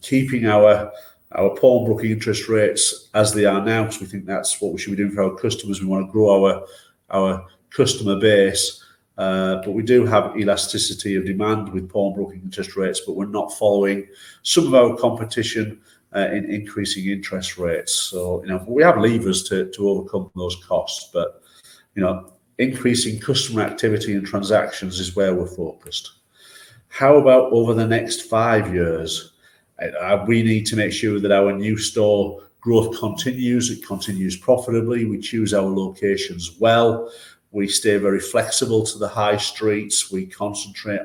keeping our pawnbroking interest rates as they are now because we think that's what we should be doing for our customers. We wanna grow our customer base. We do have elasticity of demand with pawnbroking interest rates, but we're not following some of our competition in increasing interest rates. You know, we have levers to overcome those costs. You know, increasing customer activity and transactions is where we're focused. How about over the next five years? We need to make sure that our new store growth continues. It continues profitably. We choose our locations well. We stay very flexible to the high streets. We concentrate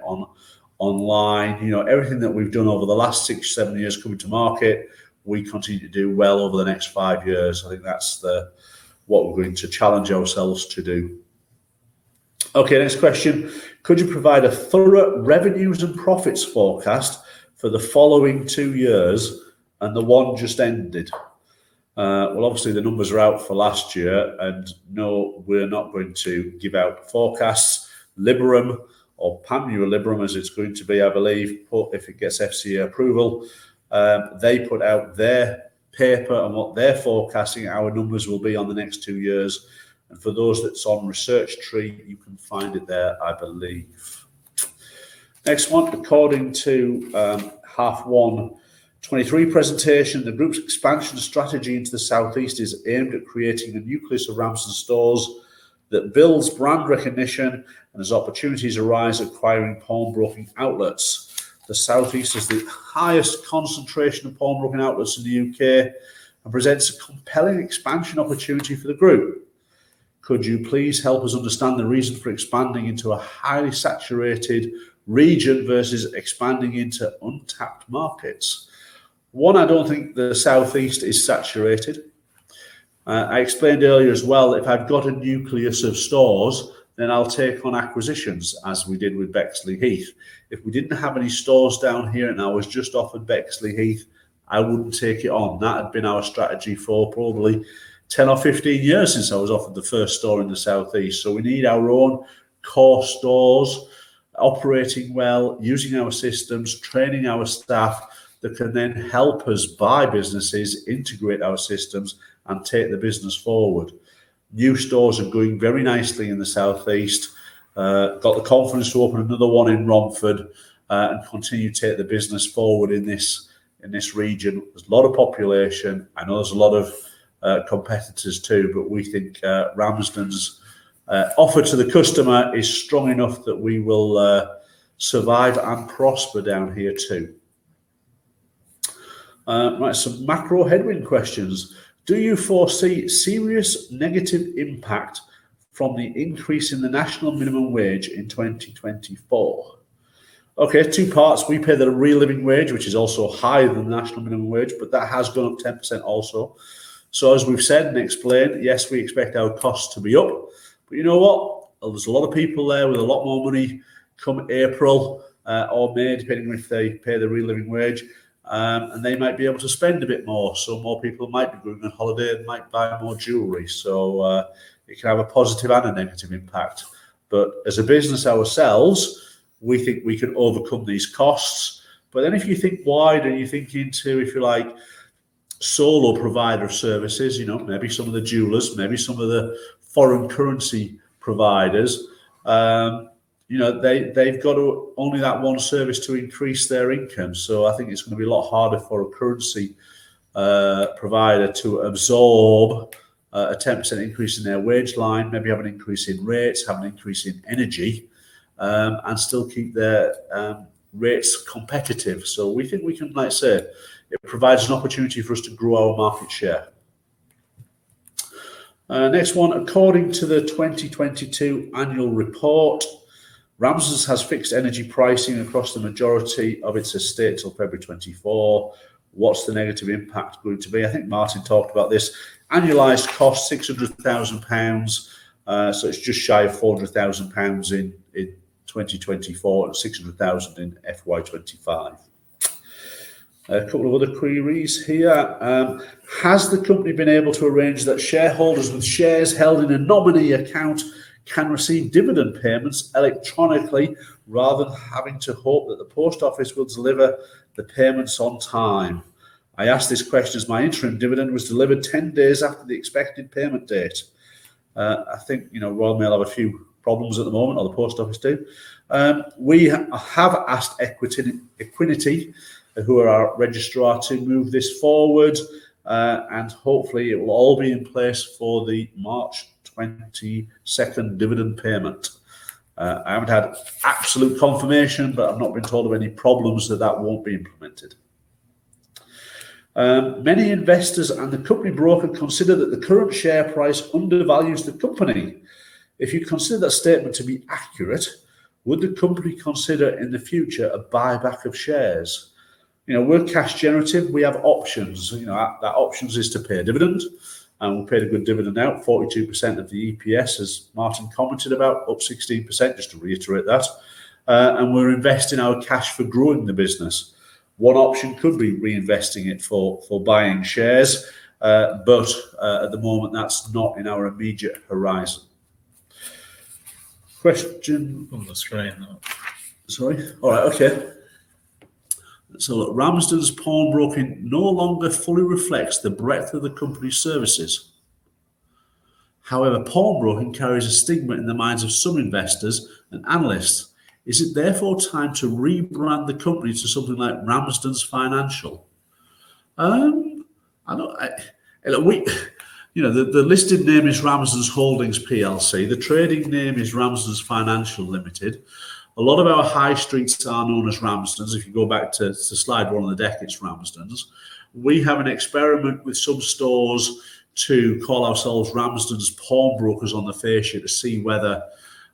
on online. You know, everything that we've done over the last six, seven years coming to market, we continue to do well over the next five years. I think that's what we're going to challenge ourselves to do. Okay, next question. Could you provide a thorough revenues and profits forecast for the following two years and the one just ended? Well, obviously the numbers are out for last year, and no, we're not going to give out forecasts. Liberum or Panmure Liberum as it's going to be, I believe, if it gets FCA approval, they put out their paper on what they're forecasting our numbers will be on the next two years. For those that's on Research Tree, you can find it there, I believe. Next one. According to half one 2023 presentation, the group's expansion strategy into the Southeast is aimed at creating a nucleus of Ramsdens stores that builds brand recognition and as opportunities arise, acquiring pawnbroking outlets. The Southeast is the highest concentration of pawnbroking outlets in the U.K. and presents a compelling expansion opportunity for the group. Could you please help us understand the reason for expanding into a highly saturated region versus expanding into untapped markets? One, I don't think the Southeast is saturated. I explained earlier as well, if I've got a nucleus of stores, then I'll take on acquisitions as we did with Bexleyheath. If we didn't have any stores down here and I was just offered Bexleyheath, I wouldn't take it on. That had been our strategy for probably 10 or 15 years since I was offered the first store in the Southeast. We need our own core stores operating well, using our systems, training our staff that can then help us buy businesses, integrate our systems, and take the business forward. New stores are going very nicely in the Southeast. Got the confidence to open another one in Romford and continue to take the business forward in this region. There's a lot of population. I know there's a lot of competitors too, but we think Ramsdens offer to the customer is strong enough that we will survive and prosper down here too. Right. Some macro headwind questions. Do you foresee serious negative impact from the increase in the National Minimum Wage in 2024? Okay, two parts. We pay the Real Living Wage, which is also higher than the National Minimum Wage, but that has gone up 10% also. As we've said and explained, yes, we expect our costs to be up. You know what? There's a lot of people there with a lot more money come April, or May, depending on if they pay the Real Living Wage, and they might be able to spend a bit more. Some more people might be going on holiday and might buy more jewelry. It can have a positive and a negative impact. As a business ourselves, we think we can overcome these costs. If you think wider, you think into, if you like, sole provider of services, you know, maybe some of the jewelers, maybe some of the foreign currency providers. You know, they've got only that one service to increase their income. I think it's gonna be a lot harder for a currency provider to absorb a 10% increase in their wage line, maybe have an increase in rates, have an increase in energy, and still keep their rates competitive. Like I say, it provides an opportunity for us to grow our market share. Next one. According to the 2022 annual report, Ramsdens has fixed energy pricing across the majority of its estate till February 2024. What's the negative impact going to be? I think Martin talked about this. Annualized cost, 600,000 pounds. It's just shy of 400,000 pounds in 2024 and 600,000 in FY 2025. A couple of other queries here. Has the company been able to arrange that shareholders with shares held in a nominee account can receive dividend payments electronically rather than having to hope that the post office will deliver the payments on time? I ask this question as my interim dividend was delivered 10 days after the expected payment date. I think, you know, Royal Mail have a few problems at the moment, or the post office do. We have asked Equiniti, who are our registrar, to move this forward, and hopefully it will all be in place for the March 22nd dividend payment. I haven't had absolute confirmation, but I've not been told of any problems that that won't be implemented. Many investors and the company broker consider that the current share price undervalues the company. If you consider that statement to be accurate, would the company consider in the future a buyback of shares? You know, we're cash generative, we have options. You know, that options is to pay a dividend, and we paid a good dividend out, 42% of the EPS, as Martin commented about, up 16%, just to reiterate that. We're investing our cash for growing the business. One option could be reinvesting it for buying shares, but at the moment, that's not in our immediate horizon. Question. On the screen. Look, Ramsdens Pawnbroking no longer fully reflects the breadth of the company's services. However, pawnbroking carries a stigma in the minds of some investors and analysts. Is it therefore time to rebrand the company to something like Ramsdens Financial? You know, the listed name is Ramsdens Holdings PLC. The trading name is Ramsdens Financial Limited. A lot of our high streets are known as Ramsdens. If you go back to slide one of the deck, it's Ramsdens. We have an experiment with some stores to call ourselves Ramsdens Pawnbrokers on the fascia to see whether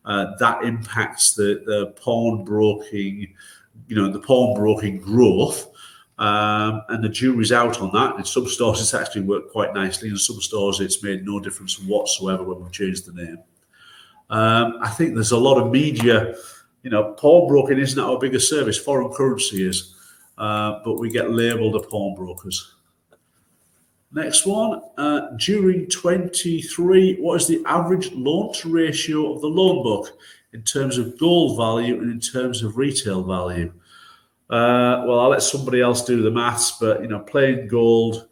that impacts the pawnbroking, you know, the pawnbroking growth. The jury's out on that. In some stores, it's actually worked quite nicely. In some stores, it's made no difference whatsoever when we've changed the name. I think there's a lot of media, you know, pawnbroking is not our biggest service. Foreign currency is, but we get labeled as pawnbrokers. Next one. During 2023, what is the average loan-to-value ratio of the loan book in terms of gold value and in terms of retail value? Well, I'll let somebody else do the math, but, you know, plain gold,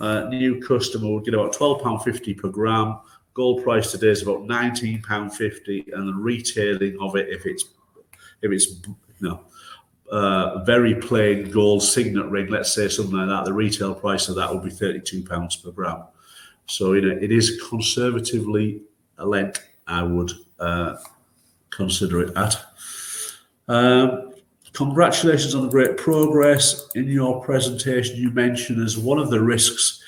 a new customer would get about 12.50 pound per gram. Gold price today is about 19.50 pound, and the retailing of it, if it's, you know, a very plain gold signet ring, let's say something like that, the retail price of that would be 32 pounds per gram. So, you know, it is conservatively I would consider it at. Congratulations on the great progress. In your presentation, you mentioned as one of the risks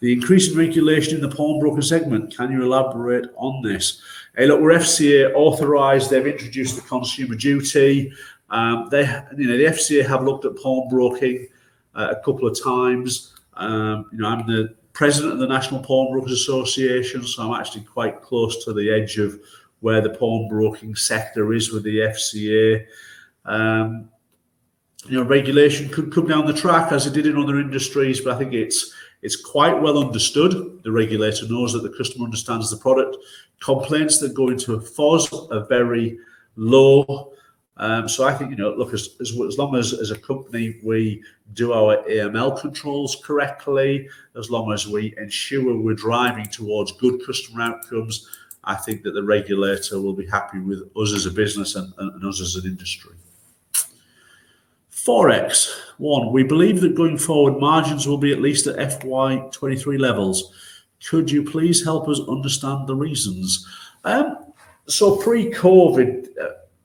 the increase in regulation in the pawnbroker segment. Can you elaborate on this? Hey, look, we're FCA authorized. They've introduced the Consumer Duty. You know, the FCA have looked at pawnbroking a couple of times. You know, I'm the president of the National Pawnbrokers Association, so I'm actually quite close to the edge of where the pawnbroking sector is with the FCA. You know, regulation could come down the track as it did in other industries, but I think it's quite well understood. The regulator knows that the customer understands the product. Complaints that go into FOS are very low. I think, you know, look, as long as a company, we do our AML controls correctly, as long as we ensure we're driving towards good customer outcomes, I think that the regulator will be happy with us as a business and us as an industry. Forex. One, we believe that going forward margins will be at least at FY 2023 levels. Could you please help us understand the reasons? Pre-COVID,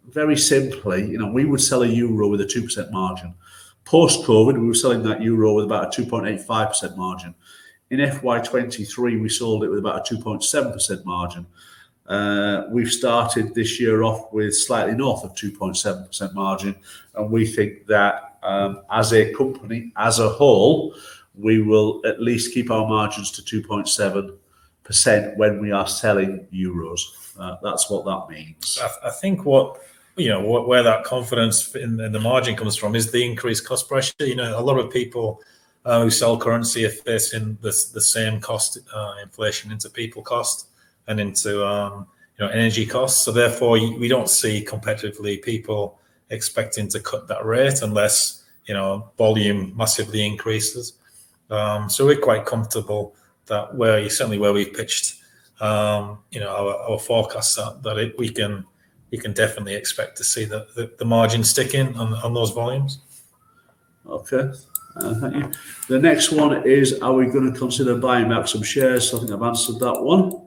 very simply, you know, we would sell a euro with a 2% margin. Post-COVID, we were selling that euro with about a 2.85% margin. In FY 2023, we sold it with about a 2.7% margin. We've started this year off with slightly north of 2.7% margin, and we think that, as a company, as a whole, we will at least keep our margins to 2.7% when we are selling euros. That's what that means. I think you know, where that confidence in the margin comes from is the increased cost pressure. You know, a lot of people who sell currency are facing the same cost inflation into people costs and into energy costs. Therefore, we don't see competitively people expecting to cut that rate unless volume massively increases. We're quite comfortable that certainly where we've pitched our forecast at, that we can definitely expect to see the margin sticking on those volumes. Thank you. The next one is, are we gonna consider buying back some shares? I think I've answered that one.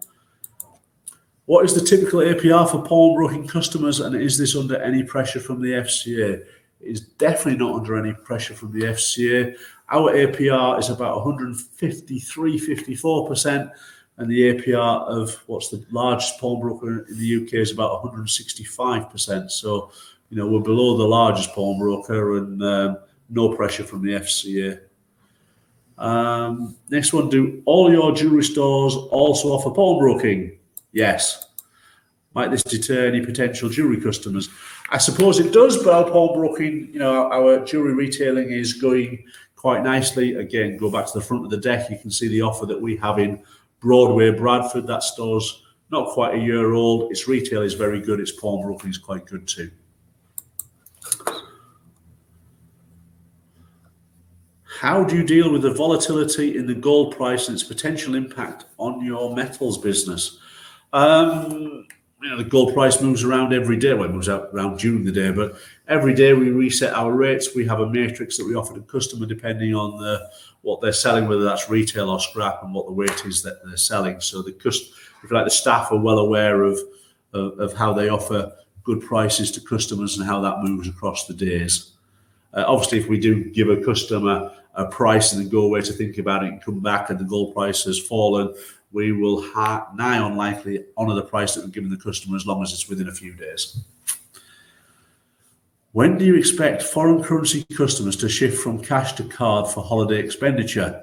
What is the typical APR for pawnbroking customers, and is this under any pressure from the FCA? It's definitely not under any pressure from the FCA. Our APR is about 153-154%, and the APR of what's the largest pawnbroker in the U.K. is about 165%. You know, we're below the largest pawnbroker and no pressure from the FCA. Next one. Do all your jewelry stores also offer pawnbroking? Yes. Might this deter any potential jewelry customers? I suppose it does, but our pawnbroking, you know, our jewelry retailing is going quite nicely. Again, go back to the front of the deck, you can see the offer that we have in Broadway, Bradford. That store's not quite a year old. Its retail is very good. Its pawnbroking is quite good too. How do you deal with the volatility in the gold price and its potential impact on your metals business? You know, the gold price moves around every day. Well, it moves around during the day, but every day we reset our rates. We have a matrix that we offer the customer depending on what they're selling, whether that's retail or scrap, and what the weight is that they're selling. So we feel like the staff are well aware of how they offer good prices to customers and how that moves across the days. Obviously, if we do give a customer a price and they go away to think about it and come back and the gold price has fallen, we will nigh on likely honor the price that we've given the customer as long as it's within a few days. When do you expect foreign currency customers to shift from cash to card for holiday expenditure?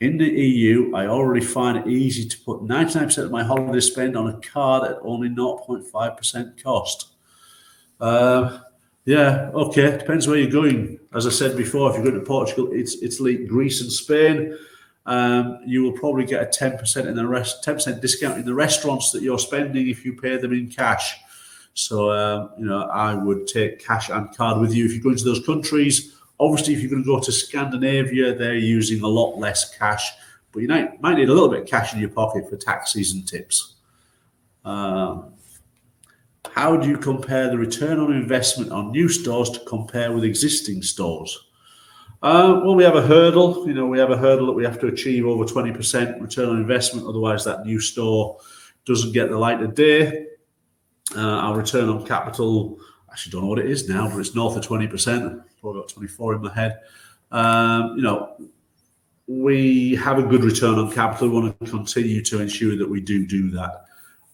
In the EU, I already find it easy to put 99% of my holiday spend on a card at only 0.5% cost. Depends where you're going. As I said before, if you're going to Portugal, Italy, Greece and Spain, you will probably get a 10% discount in the restaurants that you're spending if you pay them in cash. You know, I would take cash and card with you if you're going to those countries. Obviously, if you're gonna go to Scandinavia, they're using a lot less cash. You might need a little bit of cash in your pocket for taxis and tips. How do you compare the return on investment on new stores to compare with existing stores? Well, we have a hurdle. You know, we have a hurdle that we have to achieve over 20% return on investment, otherwise that new store doesn't get the light of day. Our return on capital, I actually don't know what it is now, but it's north of 20%. Probably about 24 in my head. You know, we have a good return on capital. We wanna continue to ensure that we do that.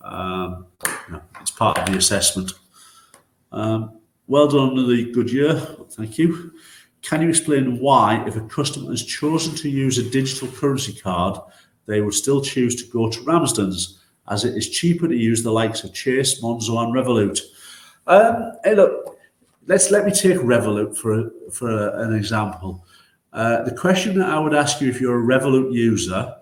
You know, it's part of the assessment. Well done on the good year. Thank you. Can you explain why if a customer has chosen to use a digital currency card, they would still choose to go to Ramsdens as it is cheaper to use the likes of Chase, Monzo and Revolut? Hey, look, let me take Revolut for an example. The question that I would ask you if you're a Revolut user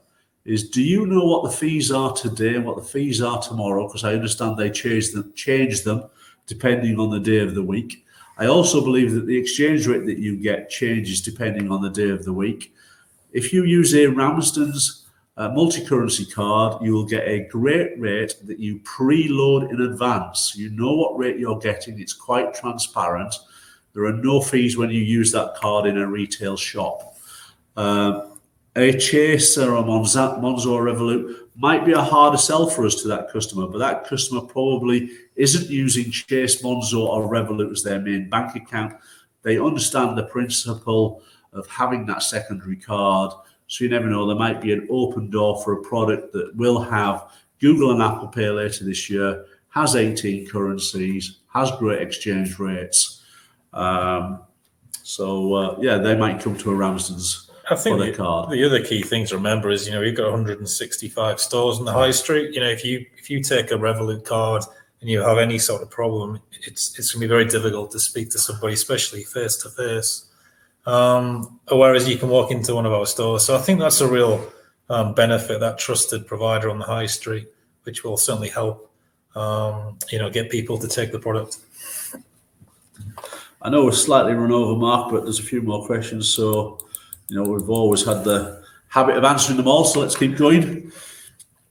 is do you know what the fees are today and what the fees are tomorrow? 'Cause I understand they change them depending on the day of the week. I also believe that the exchange rate that you get changes depending on the day of the week. If you use a Ramsdens multicurrency card, you will get a great rate that you preload in advance. You know what rate you're getting. It's quite transparent. There are no fees when you use that card in a retail shop. A Chase or Monzo or Revolut might be a harder sell for us to that customer, but that customer probably isn't using Chase, Monzo or Revolut as their main bank account. They understand the principle of having that secondary card. You never know, there might be an open door for a product that will have Google Pay and Apple Pay later this year, has 18 currencies, has great exchange rates. They might come to a Ramsdens. I think. for their card The other key thing to remember is, you know, you've got 165 stores on the high street. You know, if you take a Revolut card and you have any sort of problem, it's gonna be very difficult to speak to somebody, especially face-to-face. Whereas you can walk into one of our stores. I think that's a real benefit, that trusted provider on the high street, which will certainly help, you know, get people to take the product. I know we've slightly run over, Mark, but there's a few more questions, so, you know, we've always had the habit of answering them all, so let's keep going.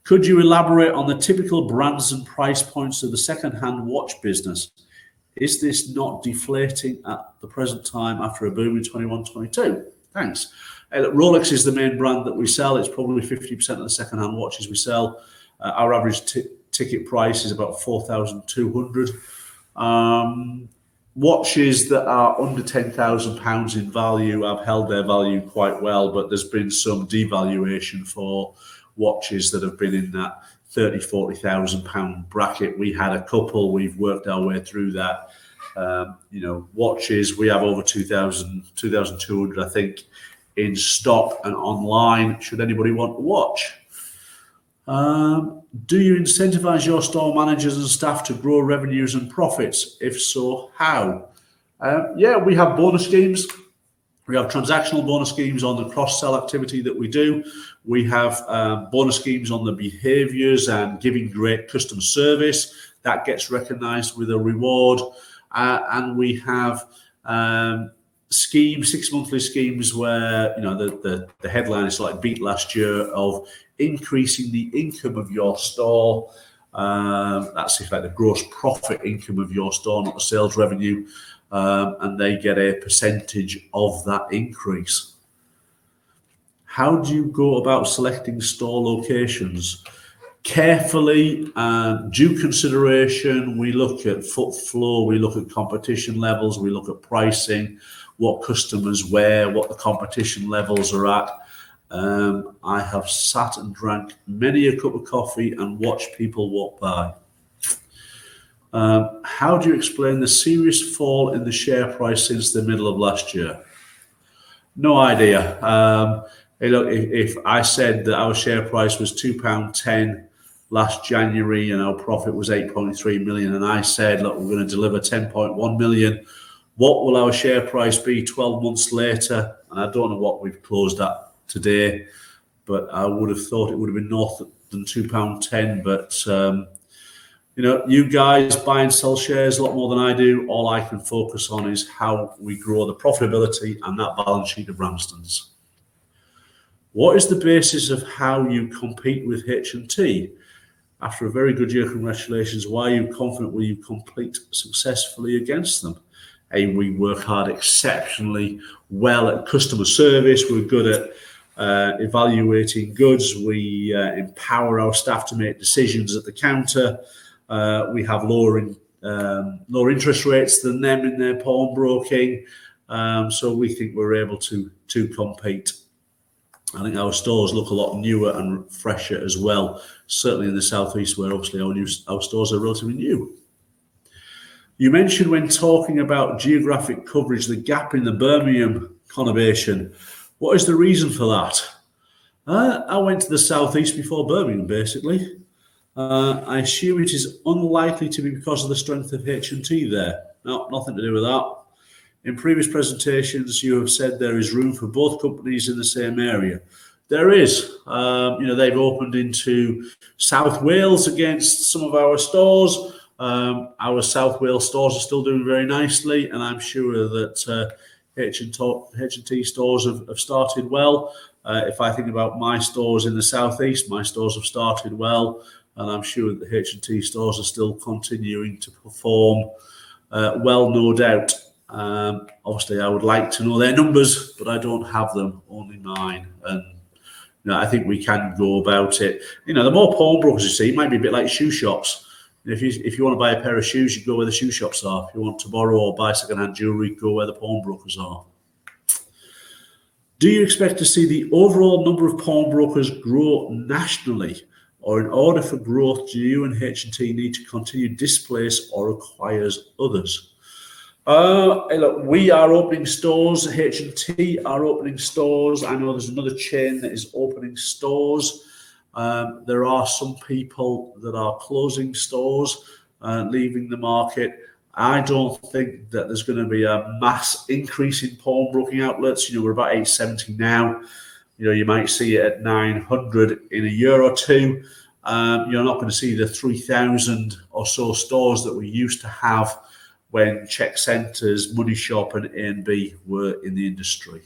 Could you elaborate on the typical brands and price points of the second-hand watch business? Is this not deflating at the present time after a boom in 2021, 2022? Thanks. Rolex is the main brand that we sell. It's probably 50% of the second-hand watches we sell. Our average ticket price is about 4,200. Watches that are under 10,000 pounds in value have held their value quite well, but there's been some devaluation for watches that have been in that 30,000-40,000 pound bracket. We had a couple. We've worked our way through that. You know, watches, we have over 2,200, I think, in stock and online should anybody want a watch. Do you incentivize your store managers and staff to grow revenues and profits? If so, how? Yeah, we have bonus schemes. We have transactional bonus schemes on the cross-sell activity that we do. We have bonus schemes on the behaviors and giving great customer service. That gets recognized with a reward. And we have schemes, six monthly schemes where, you know, the headline is like beat last year of increasing the income of your store. That's in fact the gross profit income of your store, not the sales revenue. And they get a percentage of that increase. How do you go about selecting store locations? Carefully and due consideration. We look at footfall. We look at competition levels. We look at pricing, what customers wear, what the competition levels are at. I have sat and drank many a cup of coffee and watched people walk by. How do you explain the serious fall in the share price since the middle of last year? No idea. Look, if I said that our share price was 2.10 pound last January, and our profit was 8.3 million, and I said, "Look, we're gonna deliver 10.1 million," what will our share price be 12 months later? I don't know what we've closed at today, but I would have thought it would have been north of the 2.10. You know, you guys buy and sell shares a lot more than I do. All I can focus on is how we grow the profitability and that balance sheet of Ramsdens. What is the basis of how you compete with H&T? After a very good year, congratulations, why are you confident you will compete successfully against them? We work hard exceptionally well at customer service. We're good at evaluating goods. We empower our staff to make decisions at the counter. We have lower interest rates than them in their pawnbroking. So we think we're able to compete. I think our stores look a lot newer and fresher as well, certainly in the Southeast, where obviously our stores are relatively new. You mentioned when talking about geographic coverage, the gap in the Birmingham conurbation. What is the reason for that? I went to the Southeast before Birmingham, basically. I assume it is unlikely to be because of the strength of H&T there. No, nothing to do with that. In previous presentations, you have said there is room for both companies in the same area. There is. You know, they've opened into South Wales against some of our stores. Our South Wales stores are still doing very nicely, and I'm sure that H&T stores have started well. If I think about my stores in the Southeast, my stores have started well, and I'm sure that the H&T stores are still continuing to perform well, no doubt. Obviously, I would like to know their numbers, but I don't have them, only mine. You know, I think we can go about it. You know, the more pawnbrokers you see, it might be a bit like shoe shops. If you want to buy a pair of shoes, you go where the shoe shops are. If you want to borrow or buy second-hand jewelry, go where the pawnbrokers are. Do you expect to see the overall number of pawnbrokers grow nationally, or in order for growth, do you and H&T need to continue displace or acquire others? Look, we are opening stores. H&T are opening stores. I know there's another chain that is opening stores. There are some people that are closing stores, leaving the market. I don't think that there's gonna be a mass increase in pawnbroking outlets. You know, we're about 870 now. You know, you might see it at 900 in a year or two. You're not gonna see the 3,000 or so stores that we used to have when Cheque Centre, The Money Shop, and NE were in the industry.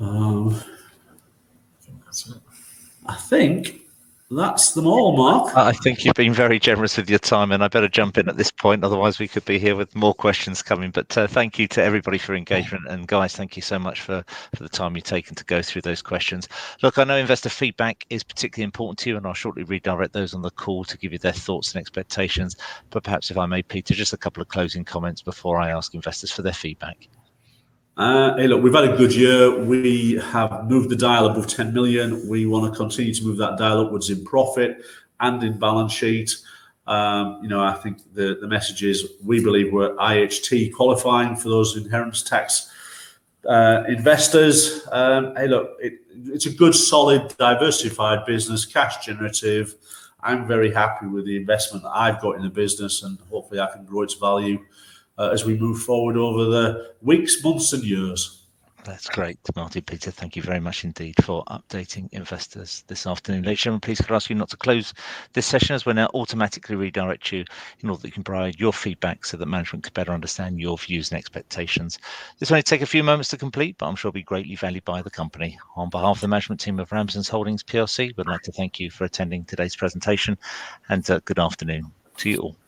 I think that's it. I think that's them all, Marc. I think you've been very generous with your time, and I better jump in at this point, otherwise we could be here with more questions coming. Thank you to everybody for engagement, and guys, thank you so much for the time you've taken to go through those questions. Look, I know investor feedback is particularly important to you, and I'll shortly redirect those on the call to give you their thoughts and expectations. Perhaps, if I may, Peter, just a couple of closing comments before I ask investors for their feedback. Look, we've had a good year. We have moved the dial above 10 million. We wanna continue to move that dial upwards in profit and in balance sheet. You know, I think the message is we believe we're IHT qualifying for those inheritance tax investors. Look, it's a good, solid, diversified business, cash generative. I'm very happy with the investment that I've got in the business, and hopefully, I can grow its value as we move forward over the weeks, months, and years. That's great to know, Peter. Thank you very much indeed for updating investors this afternoon. Ladies and gentlemen, please can I ask you not to close this session as we now automatically redirect you in order that you can provide your feedback so that management can better understand your views and expectations. This may take a few moments to complete, but I'm sure it'll be greatly valued by the company. On behalf of the management team of Ramsdens Holdings PLC, we'd like to thank you for attending today's presentation, and good afternoon to you all.